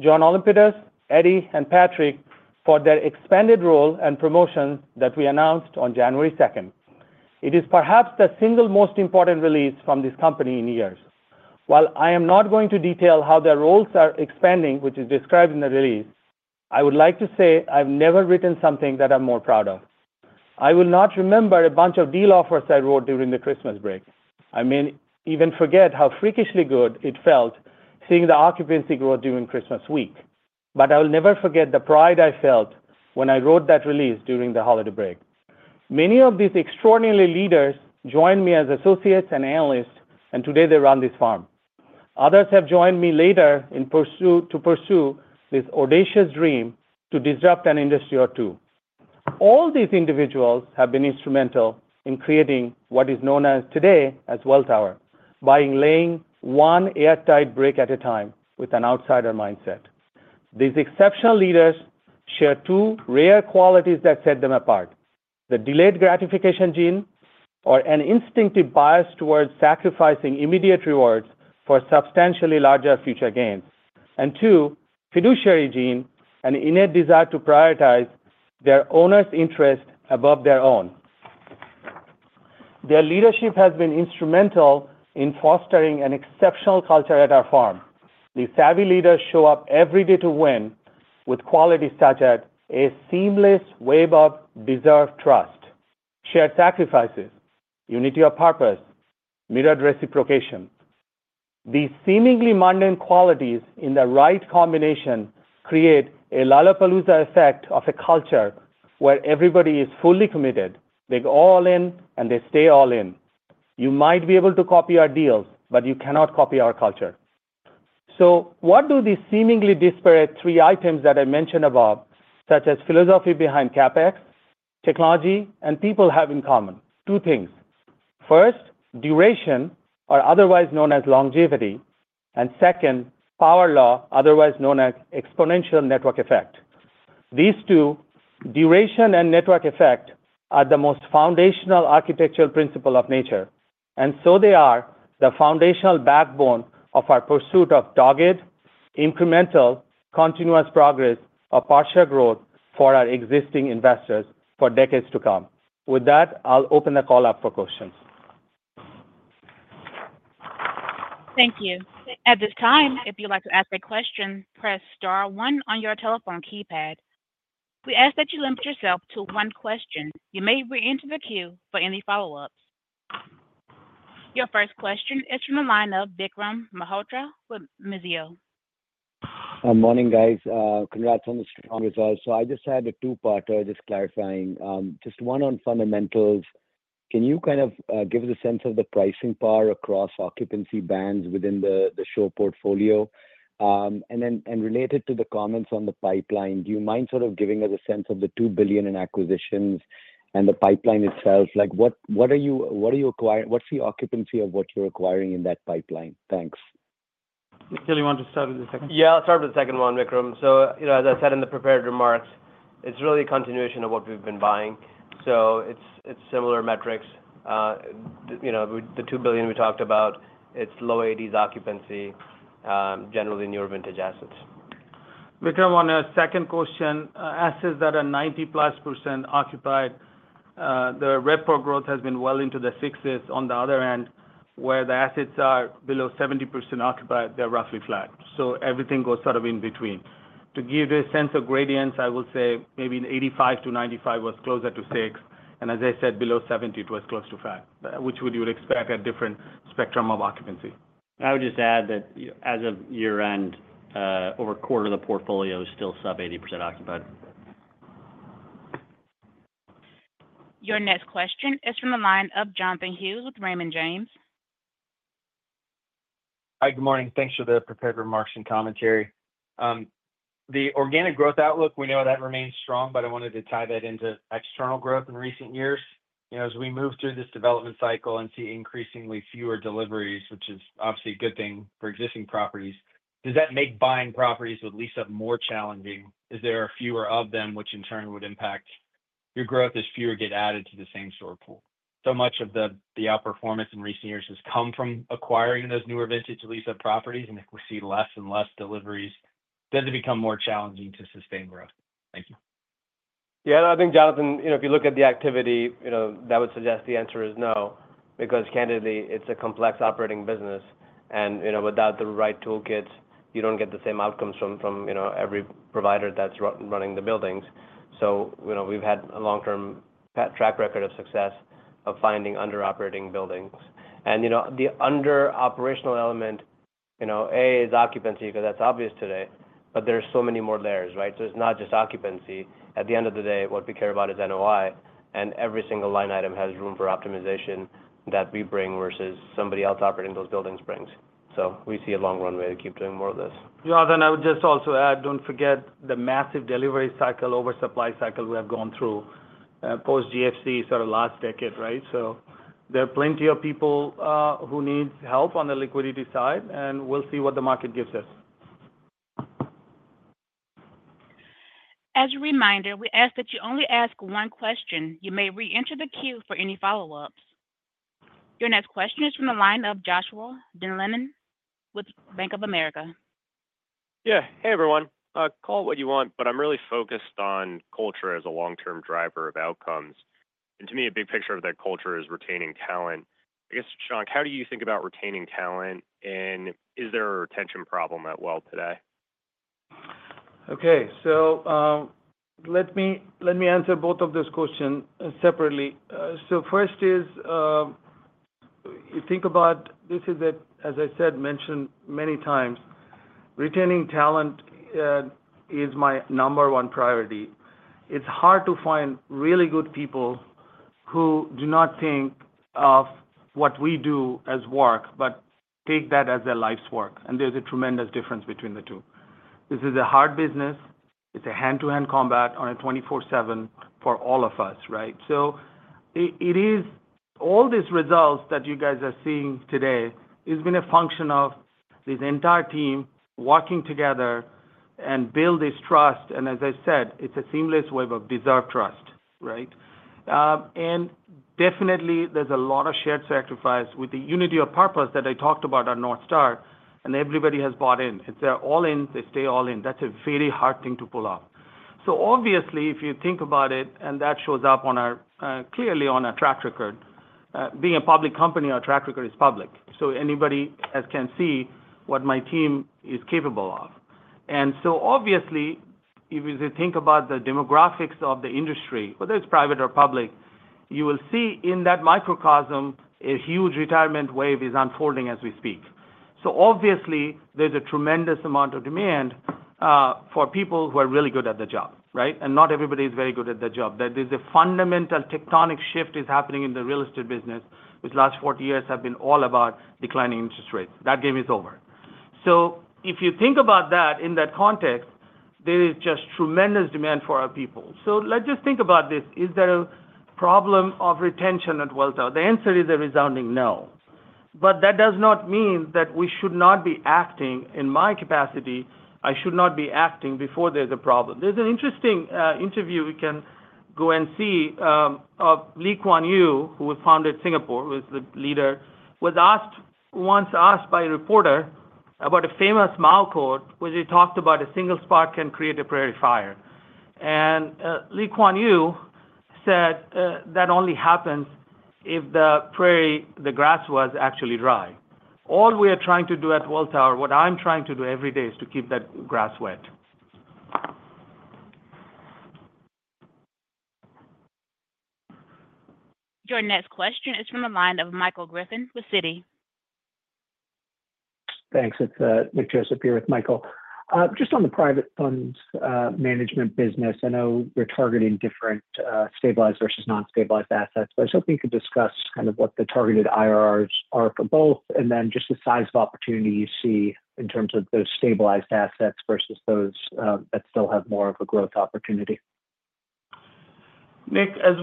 John Olympitis, Eddie, and Patrick for their expanded role and promotion that we announced on January 2nd. It is perhaps the single most important release from this company in years. While I am not going to detail how their roles are expanding, which is described in the release, I would like to say I've never written something that I'm more proud of. I will not remember a bunch of deal offers I wrote during the Christmas break. I may even forget how freakishly good it felt seeing the occupancy growth during Christmas week, but I will never forget the pride I felt when I wrote that release during the holiday break. Many of these extraordinary leaders joined me as associates and analysts, and today they run this farm. Others have joined me later to pursue this audacious dream to disrupt an industry or two. All these individuals have been instrumental in creating what is known today as Welltower, by laying one airtight brick at a time with an outsider mindset. These exceptional leaders share two rare qualities that set them apart: the delayed gratification gene, or an instinctive bias towards sacrificing immediate rewards for substantially larger future gains, and two, fiduciary gene, an inner desire to prioritize their owner's interest above their own. Their leadership has been instrumental in fostering an exceptional culture at our farm. These savvy leaders show up every day to win with qualities such as a seamless wave of deserved trust, shared sacrifices, unity of purpose, mirrored reciprocation. These seemingly mundane qualities in the right combination create a Lollapalooza effect of a culture where everybody is fully committed. They go all in, and they stay all in. You might be able to copy our deals, but you cannot copy our culture. So what do these seemingly disparate three items that I mentioned above, such as philosophy behind CapEx, technology, and people, have in common? Two things. First, duration, or otherwise known as longevity, and second, power law, otherwise known as exponential network effect. These two, duration and network effect, are the most foundational architectural principles of nature. And so they are the foundational backbone of our pursuit of target incremental continuous progress of per share growth for our existing investors for decades to come. With that, I'll open the call up for questions. Thank you. At this time, if you'd like to ask a question, press star one on your telephone keypad. We ask that you limit yourself to one question. You may reenter the queue, for any follow-ups. Your first question is from the line of Vikram Malhotra with Mizuho. Good morning, guys. Congrats on the strong result. So I just had a two-parter. Just clarifying. Just one on fundamentals. Can you kind of give us a sense of the pricing power across occupancy bands within the SHOP portfolio? And related to the comments on the pipeline, do you mind sort of giving us a sense of the $2 billion in acquisitions and the pipeline itself? What are you acquiring? What's the occupancy of what you're acquiring in that pipeline? Thanks. Nikhil, you want to start with the second? Yeah, I'll start with the second one, Vikram. So as I said in the prepared remarks, it's really a continuation of what we've been buying. So it's similar metrics. The $2 billion we talked about, it's low-80's occupancy, generally newer vintage assets. Vikram, on a second question, assets that are 90+% occupied, the RevPOR growth has been well into the sixes. On the other hand, where the assets are below 70% occupied, they're roughly flat. So everything goes sort of in between. To give you a sense of gradients, I will say maybe 85% to 95% was closer to 6%. As I said, below 70%, it was close to 5%, which you would expect a different spectrum of occupancy. I would just add that as of year-end, over a quarter of the portfolio is still sub-80% occupied. Your next question is from the line of Jonathan Hughes with Raymond James. Hi, good morning. Thanks for the prepared remarks and commentary. The organic growth outlook, we know that remains strong, but I wanted to tie that into external growth in recent years. As we move through this development cycle and see increasingly fewer deliveries, which is obviously a good thing for existing properties, does that make buying properties with lease-up more challenging? Is there fewer of them, which in turn would impact your growth as fewer get added to the same-store pool? So much of the outperformance in recent years has come from acquiring those newer vintage lease-up properties, and if we see less and less deliveries, does it become more challenging to sustain growth? Thank you. Yeah, I think, Jonathan, if you look at the activity, that would suggest the answer is no, because candidly, it's a complex operating business, and without the right toolkits, you don't get the same outcomes from every provider that's running the buildings. So we've had a long-term track record of success of finding under-operating buildings. And the under-operational element, A, is occupancy because that's obvious today, but there are so many more layers, right? So it's not just occupancy. At the end of the day, what we care about is NOI, and every single line item has room for optimization that we bring versus somebody else operating those buildings brings. So we see a long runway to keep doing more of this. Jonathan, I would just also add, don't forget the massive delivery cycle, oversupply cycle we have gone through post-GFC sort of last decade, right? So there are plenty of people who need help on the liquidity side, and we'll see what the market gives us. As a reminder, we ask that you only ask one question. You may reenter the queue for any follow-ups. Your next question is from the line of Joshua Dennerlein with Bank of America. Yeah. Hey, everyone. Call it what you want, but I'm really focused on culture as a long-term driver of outcomes. And to me, a big picture of that culture is retaining talent. I guess, Shankh, how do you think about retaining talent, and is there a retention problem at Welltower today? Okay. So let me answer both of those questions separately. So first is, you think about this is, as I said, mentioned many times, retaining talent is my number one priority. It's hard to find really good people who do not think of what we do as work, but take that as their life's work. And there's a tremendous difference between the two. This is a hard business. It's a hand-to-hand combat on a 24/7 for all of us, right? So all these results that you guys are seeing today have been a function of this entire team working together and building trust. And as I said, it's a seamless web of deserved trust, right? And definitely, there's a lot of shared sacrifice with the unity of purpose that I talked about at NorthStar, and everybody has bought in. They're all in. They stay all in. That's a very hard thing to pull off. So obviously, if you think about it, and that shows up clearly on our track record. Being a public company, our track record is public. So anybody can see what my team is capable of. And so obviously, if you think about the demographics of the industry, whether it's private or public, you will see in that microcosm a huge retirement wave is unfolding as we speak. So obviously, there's a tremendous amount of demand for people who are really good at the job, right? And not everybody is very good at the job. There's a fundamental tectonic shift happening in the real estate business, which the last 40 years have been all about declining interest rates. That game is over. So if you think about that in that context, there is just tremendous demand for our people. So let's just think about this. Is there a problem of retention at Welltower? The answer is a resounding no. But that does not mean that we should not be acting in my capacity. I should not be acting before there's a problem. There's an interesting interview we can go and see of Lee Kuan Yew, who founded Singapore, who is the leader, was once asked by a reporter about a famous Mao quote where he talked about a single spark can create a prairie fire. And Lee Kuan Yew said, "That only happens if the prairie, the grass was actually dry." All we are trying to do at Welltower, what I'm trying to do every day, is to keep that grass wet. Your next question is from the line of Michael Griffin with Citi. Thanks. It's Nick Joseph here with Michael. Just on the private fund management business, I know we're targeting different stabilized versus non-stabilized assets, but I was hoping you could discuss kind of what the targeted IRRs are for both, and then just the size of opportunity you see in terms of those stabilized assets versus those that still have more of a growth opportunity? Nick, as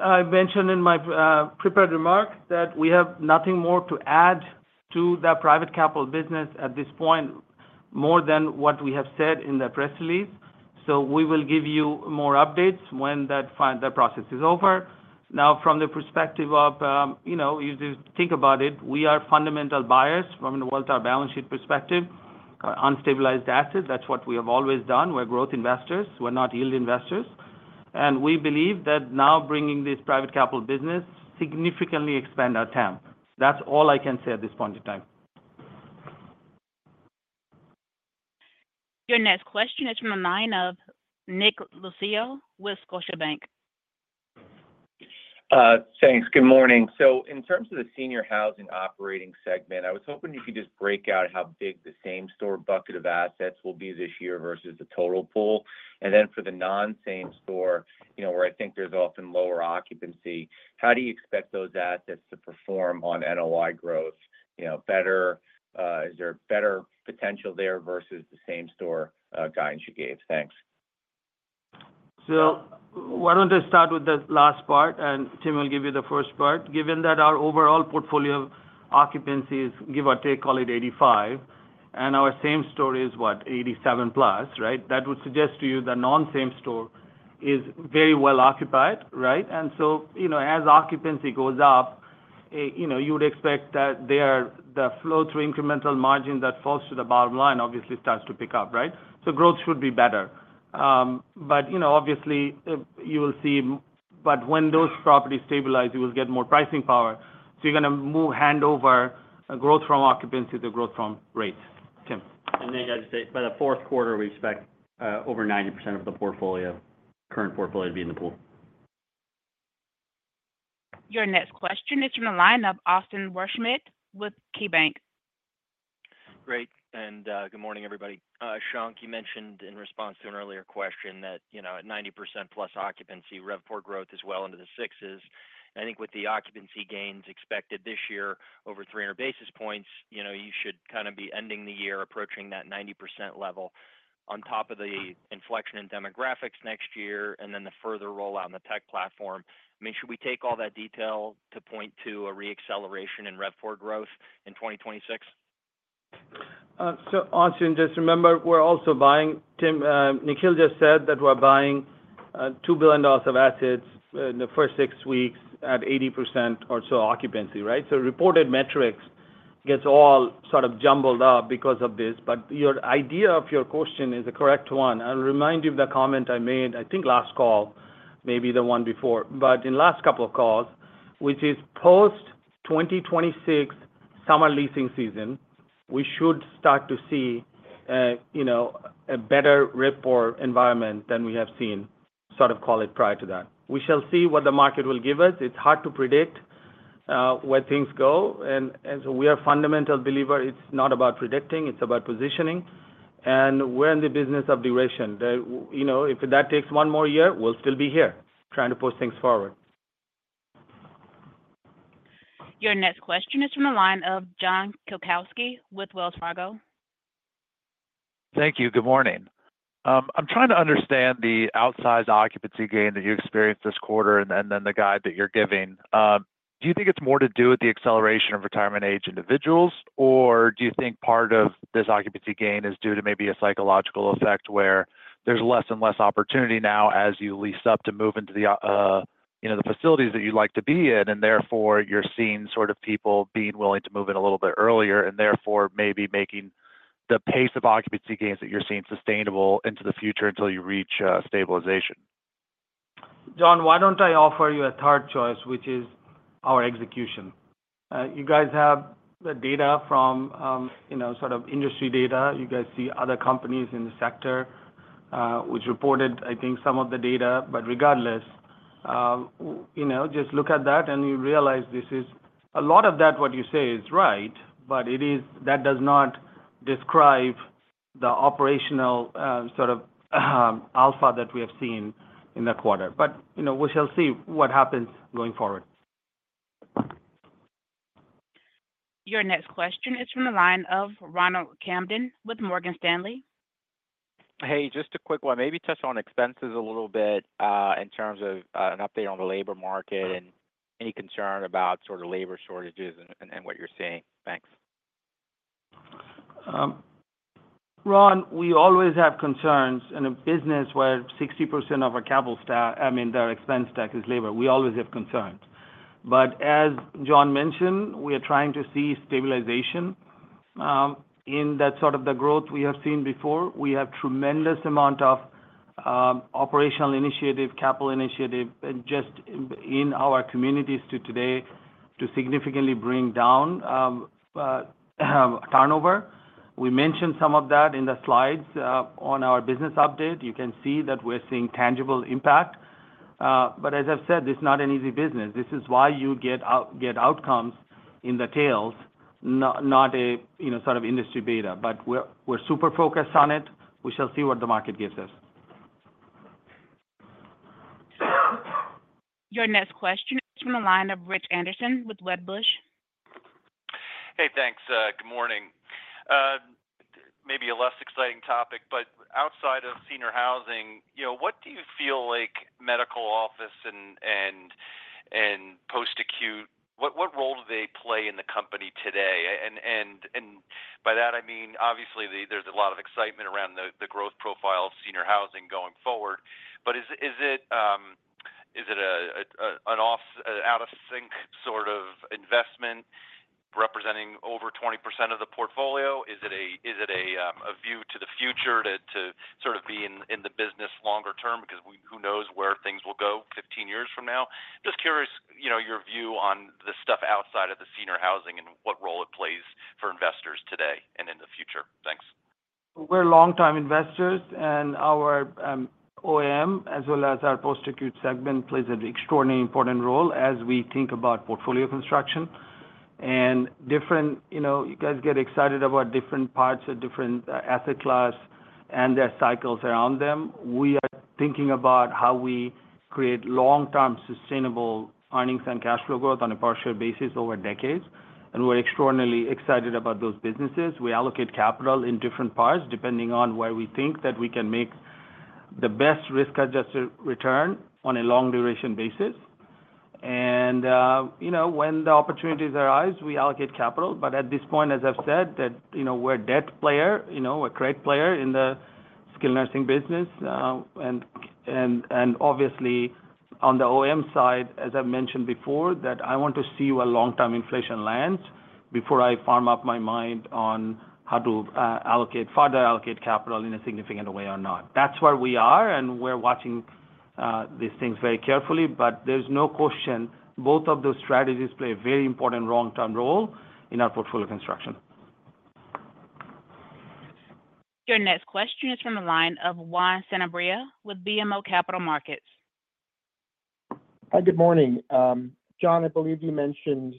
I mentioned in my prepared remarks, that we have nothing more to add to that private capital business at this point more than what we have said in the press release. So we will give you more updates when that process is over. Now, from the perspective of, you just think about it, we are fundamental buyers from the Welltower balance sheet perspective. Unstabilized assets, that's what we have always done. We're growth investors. We're not yield investors. And we believe that now bringing this private capital business significantly expands our TAM. That's all I can say at this point in time. Your next question is from the line of Nick Yulico with Scotiabank. Thanks. Good morning. So in terms of the senior housing operating segment, I was hoping you could just break out how big the same store bucket of assets will be this year versus the total pool. And then for the non-same store, where I think there's often lower occupancy, how do you expect those assets to perform on NOI growth better? Is there better potential there versus the same store guidance you gave? Thanks. So why don't I start with the last part, and Tim will give you the first part. Given that our overall portfolio occupancy is, give or take, call it 85%, and our same store is, what, 87-plus%, right? That would suggest to you the non-same store is very well occupied, right? And so as occupancy goes up, you would expect that the flow-through incremental margin that falls to the bottom line obviously starts to pick up, right? So growth should be better. But obviously, you will see that when those properties stabilize, you will get more pricing power. So you're going to hand over growth from occupancy to growth from rates. Tim. And then you guys say, by the fourth quarter, we expect over 90% of the current portfolio to be in the pool. Your next question is from the line of Austin Wurschmidt with KeyBanc. Great. And good morning, everybody. Shankh, you mentioned in response to an earlier question that at 90% plus occupancy, RevPOR growth is well into the 6s. I think with the occupancy gains expected this year over 300 basis points, you should kind of be ending the year approaching that 90% level on top of the inflection in demographics next year and then the further rollout in the tech platform. I mean, should we take all that detail to point to a re-acceleration in RevPOR growth in 2026? Austin, just remember, we're also buying. Tim and Nikhil just said that we're buying $2 billion of assets in the first six weeks at 80% or so occupancy, right? Reported metrics get all sort of jumbled up because of this. Your idea of your question is a correct one. I'll remind you of the comment I made, I think last call, maybe the one before, but in the last couple of calls, which is post-2026 summer leasing season, we should start to see a better RevPOR environment than we have seen, sort of call it, prior to that. We shall see what the market will give us. It's hard to predict where things go, and so we are fundamental believers. It's not about predicting. It's about positioning, and we're in the business of duration. If that takes one more year, we'll still be here trying to push things forward. Your next question is from the line of John Pawlowski with Wells Fargo. Thank you. Good morning. I'm trying to understand the outsized occupancy gain that you experienced this quarter and then the guide that you're giving. Do you think it's more to do with the acceleration of retirement age individuals, or do you think part of this occupancy gain is due to maybe a psychological effect where there's less and less opportunity now as you lease up to move into the facilities that you'd like to be in, and therefore you're seeing sort of people being willing to move in a little bit earlier, and therefore maybe making the pace of occupancy gains that you're seeing sustainable into the future until you reach stabilization? John, why don't I offer you a third choice, which is our execution? You guys have the data from sort of industry data. You guys see other companies in the sector, which reported, I think, some of the data. But regardless, just look at that, and you realize this is a lot of that what you say is right, but that does not describe the operational sort of alpha that we have seen in the quarter. But we shall see what happens going forward. Your next question is from the line of Ronald Kamdem with Morgan Stanley. Hey, just a quick one. Maybe touch on expenses a little bit in terms of an update on the labor market and any concern about sort of labor shortages and what you're seeing. Thanks. Ron, we always have concerns in a business where 60% of our capital stack, I mean, their expense stack is labor. We always have concerns. But as John mentioned, we are trying to see stabilization in that sort of the growth we have seen before. We have a tremendous amount of operational initiative, capital initiative, just in our communities today to significantly bring down turnover. We mentioned some of that in the slides on our business update. You can see that we're seeing tangible impact. But as I've said, this is not an easy business. This is why you get outcomes in the tails, not a sort of industry beta. But we're super focused on it. We shall see what the market gives us. Your next question is from the line of Rich Anderson with Wedbush. Hey, thanks. Good morning. Maybe a less exciting topic, but outside of senior housing, what do you feel like medical office and post-acute, what role do they play in the company today? And by that, I mean, obviously, there's a lot of excitement around the growth profile of senior housing going forward. But is it an out-of-sync sort of investment representing over 20% of the portfolio? Is it a view to the future to sort of be in the business longer term? Because who knows where things will go 15 years from now? Just curious your view on the stuff outside of the senior housing and what role it plays for investors today and in the future. Thanks. We're long-time investors, and our OM, as well as our post-acute segment, plays an extraordinarily important role as we think about portfolio construction. And you guys get excited about different parts of different asset classes and their cycles around them. We are thinking about how we create long-term sustainable earnings and cash flow growth on a partial basis over decades. And we're extraordinarily excited about those businesses. We allocate capital in different parts depending on where we think that we can make the best risk-adjusted return on a long-duration basis. And when the opportunities arise, we allocate capital. But at this point, as I've said, we're a debt player, a credit player in the skilled nursing business. And obviously, on the OM side, as I've mentioned before, that I want to see where long-term inflation lands before I firm up my mind on how to further allocate capital in a significant way or not. That's where we are, and we're watching these things very carefully. But there's no question both of those strategies play a very important long-term role in our portfolio construction. Your next question is from the line of Juan Sanabria with BMO Capital Markets. Hi, good morning. John, I believe you mentioned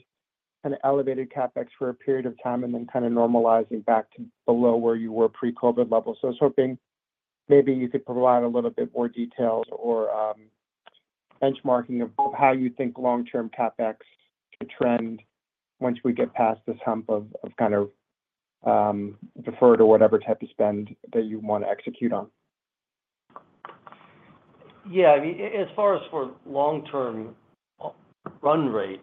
kind of elevated CapEx for a period of time and then kind of normalizing back to below where you were pre-COVID levels. So I was hoping maybe you could provide a little bit more detail or benchmarking of how you think long-term CapEx could trend once we get past this hump of kind of deferred or whatever type of spend that you want to execute on. Yeah. I mean, as far as for long-term run rate,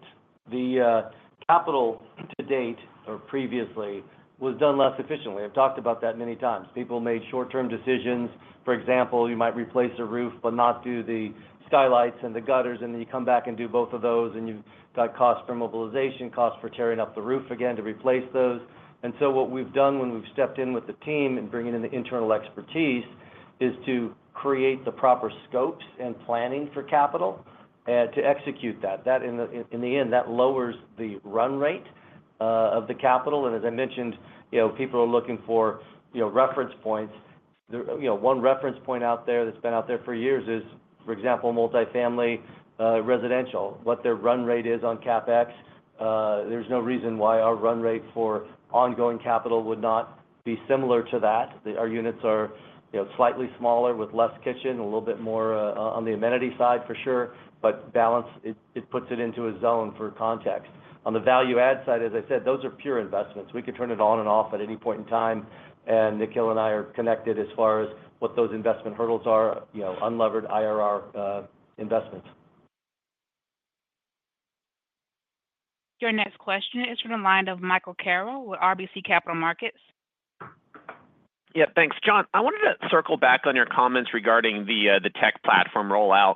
the capital to date or previously was done less efficiently. I've talked about that many times. People made short-term decisions. For example, you might replace a roof but not do the skylights and the gutters, and then you come back and do both of those, and you've got costs for mobilization, costs for tearing up the roof again to replace those. And so what we've done when we've stepped in with the team and bringing in the internal expertise is to create the proper scopes and planning for capital to execute that. In the end, that lowers the run rate of the capital. And as I mentioned, people are looking for reference points. One reference point out there that's been out there for years is, for example, multifamily residential, what their run rate is on CapEx. There's no reason why our run rate for ongoing capital would not be similar to that. Our units are slightly smaller with less kitchen, a little bit more on the amenity side for sure. But balance, it puts it into a zone for context. On the value-add side, as I said, those are pure investments. We could turn it on and off at any point in time. And Nikhil and I are connected as far as what those investment hurdles are, unlevered IRR investments. Your next question is from the line of Michael Carroll with RBC Capital Markets. Yep. Thanks. John, I wanted to circle back on your comments regarding the tech platform rollout.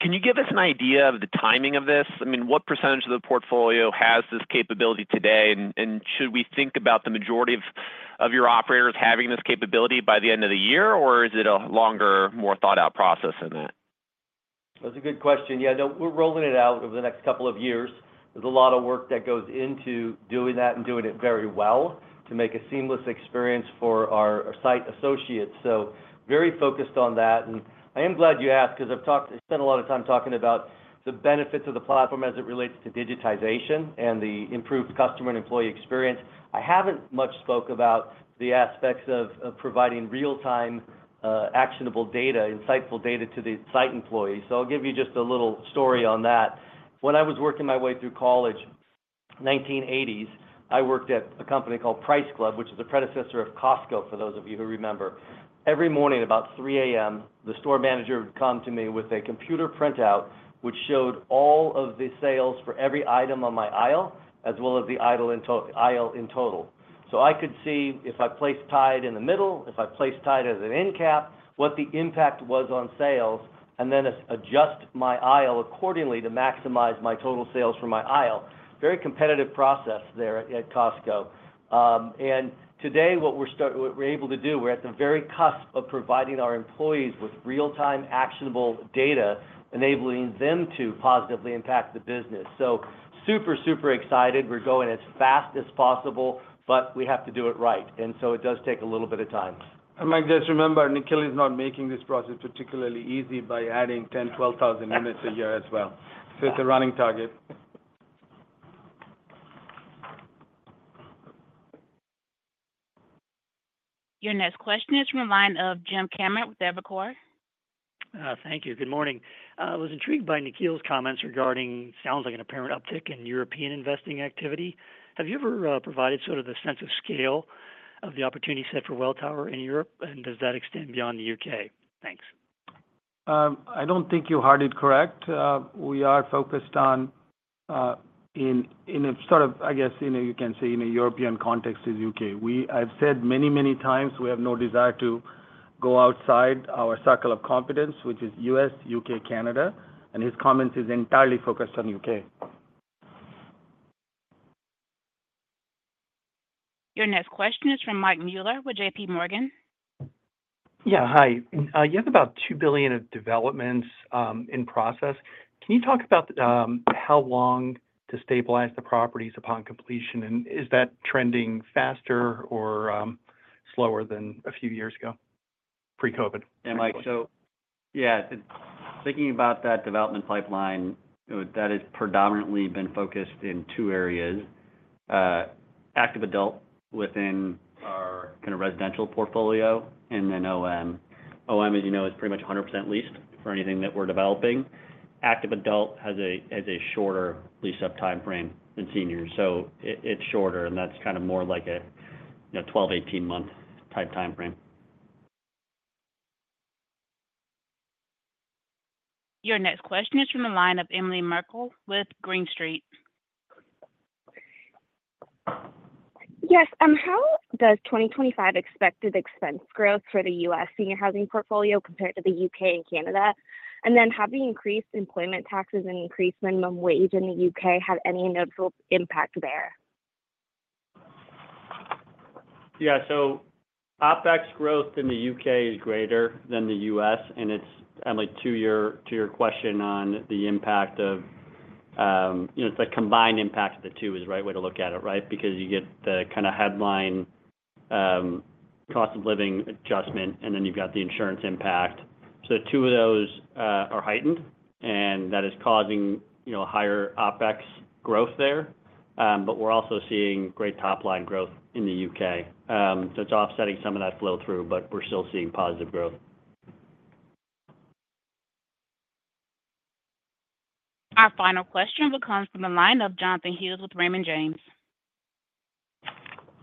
Can you give us an idea of the timing of this? I mean, what percentage of the portfolio has this capability today? And should we think about the majority of your operators having this capability by the end of the year, or is it a longer, more thought-out process than that? That's a good question. Yeah. No, we're rolling it out over the next couple of years. There's a lot of work that goes into doing that and doing it very well to make a seamless experience for our site associates. So very focused on that. And I am glad you asked because I've spent a lot of time talking about the benefits of the platform as it relates to digitization and the improved customer and employee experience. I haven't much spoke about the aspects of providing real-time actionable data, insightful data to the site employees. So I'll give you just a little story on that. When I was working my way through college, 1980s, I worked at a company called Price Club, which is a predecessor of Costco for those of you who remember. Every morning at about 3:00 A.M., the store manager would come to me with a computer printout, which showed all of the sales for every item on my aisle, as well as the aisle in total. I could see if I placed Tide in the middle, if I placed Tide as an end cap, what the impact was on sales, and then adjust my aisle accordingly to maximize my total sales for my aisle. Very competitive process there at Costco. And today, what we're able to do, we're at the very cusp of providing our employees with real-time actionable data, enabling them to positively impact the business. So super, super excited. We're going as fast as possible, but we have to do it right. And so it does take a little bit of time. And like I just remembered, Nikhil is not making this process particularly easy by adding 10,000-12,000 units a year as well. So it's a running target. Your next question is from the line of Jim Kammert with Evercore. Thank you. Good morning. I was intrigued by Nikhil's comments regarding what sounds like an apparent uptick in European investing activity. Have you ever provided sort of the sense of scale of the opportunity set for Welltower in Europe, and does that extend beyond the U.K.? Thanks. I don't think you heard it correct. We are focused on in a sort of, I guess, you can say in a European context is U.K. I've said many, many times we have no desire to go outside our circle of competence, which is U.S., U.K., Canada. And his comments are entirely focused on U.K. Your next question is from Mike Mueller with JPMorgan. Yeah. Hi. You have about $2 billion of developments in process. Can you talk about how long to stabilize the properties upon completion, and is that trending faster or slower than a few years ago pre-COVID? Yeah, thinking about that development pipeline, that has predominantly been focused in two areas: active adult within our kind of residential portfolio and then OM. OM, as you know, is pretty much 100% leased for anything that we're developing. Active adult has a shorter lease-up timeframe than seniors. So it's shorter, and that's kind of more like a 12, 18-month type timeframe. Your next question is from the line of Emily Meckler with Green Street. Yes. How does 2025 expected expense growth for the U.S. senior housing portfolio compare to the U.K. and Canada? And then have the increased employment taxes and increased minimum wage in the U.K. had any notable impact there? Yeah. So OpEx growth in the U.K. is greater than the U.S. It's only to your question on the impact of the combined impact of the two is the right way to look at it, right? Because you get the kind of headline cost of living adjustment, and then you've got the insurance impact. So two of those are heightened, and that is causing a higher OpEx growth there. But we're also seeing great top-line growth in the U.K. So it's offsetting some of that flow through, but we're still seeing positive growth. Our final question will come from the line of Jonathan Hughes with Raymond James.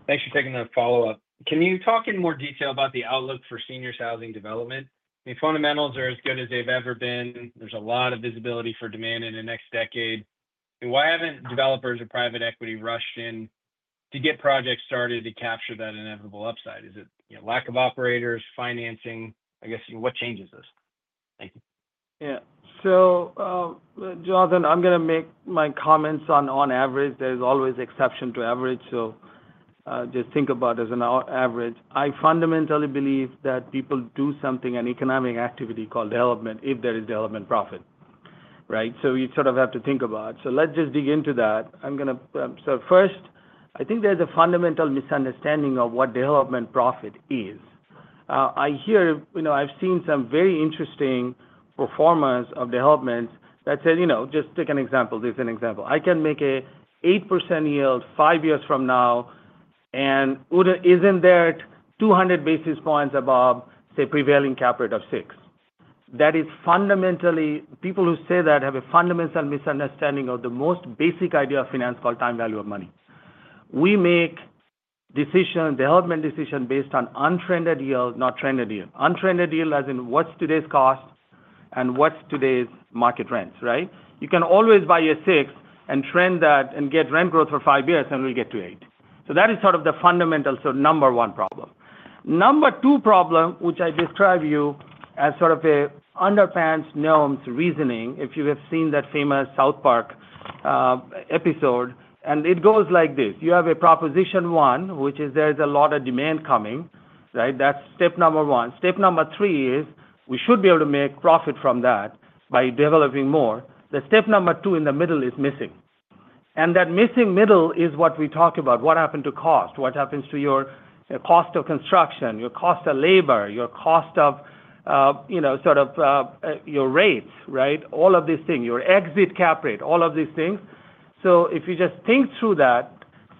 Thanks for taking the follow-up. Can you talk in more detail about the outlook for seniors' housing development? I mean, fundamentals are as good as they've ever been. There's a lot of visibility for demand in the next decade. Why haven't developers or private equity rushed in to get projects started to capture that inevitable upside? Is it lack of operators, financing? I guess what changes this? Thank you. Yeah. So John, then I'm going to make my comments on average. There's always exception to average. So just think about it as an average. I fundamentally believe that people do something, an economic activity called development, if there is development profit, right? So you sort of have to think about it. So let's just dig into that. I'm going to so first, I think there's a fundamental misunderstanding of what development profit is. I've seen some very interesting performance of developments that say, "Just take an example." There's an example. I can make an 8% yield five years from now, and isn't that 200 basis points above, say, prevailing cap rate of 6%? That is fundamentally people who say that have a fundamental misunderstanding of the most basic idea of finance called time value of money. We make development decisions based on untrended yield, not trended yield. Untrended yield as in what's today's cost and what's today's market rents, right? You can always buy a six and trend that and get rent growth for five years, and we'll get to eight. So that is sort of the fundamental, so number one problem. Number two problem, which I describe to you as sort of an Underpants Gnomes reasoning, if you have seen that famous South Park episode. And it goes like this. You have proposition one, which is there's a lot of demand coming, right? That's step number one. Step number three is we should be able to make profit from that by developing more. The step number two in the middle is missing. And that missing middle is what we talk about. What happened to cost? What happens to your cost of construction, your cost of labor, your cost of sort of your rates, right? All of these things, your exit cap rate, all of these things. So if you just think through that,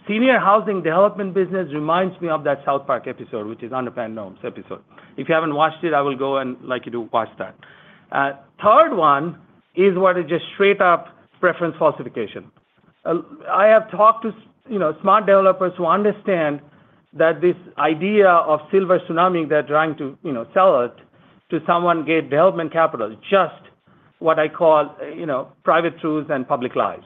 senior housing development business reminds me of that South Park episode, which is Underpants Gnomes episode. If you haven't watched it, I will go and like you to watch that. Third one is what is just straight-up preference falsification. I have talked to smart developers who understand that this idea of silver tsunami they're trying to sell it to someone gave development capital is just what I call private truths and public lies,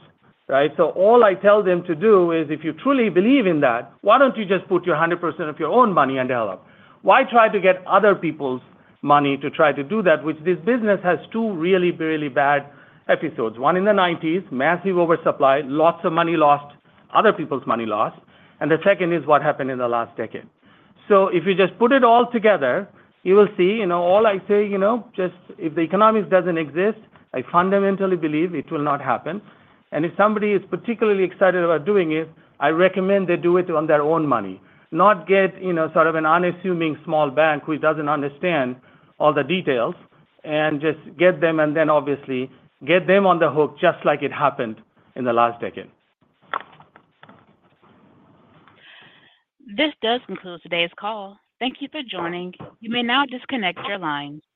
right? So all I tell them to do is, "If you truly believe in that, why don't you just put your 100% of your own money and develop? Why try to get other people's money to try to do that?" Which this business has two really, really bad episodes. One in the '90s, massive oversupply, lots of money lost, other people's money lost. And the second is what happened in the last decade. So if you just put it all together, you will see all I say, just if the economics doesn't exist, I fundamentally believe it will not happen. And if somebody is particularly excited about doing it, I recommend they do it on their own money. Not get sort of an unassuming small bank who doesn't understand all the details and just get them and then obviously get them on the hook just like it happened in the last decade. This does conclude today's call. Thank you for joining. You may now disconnect your line.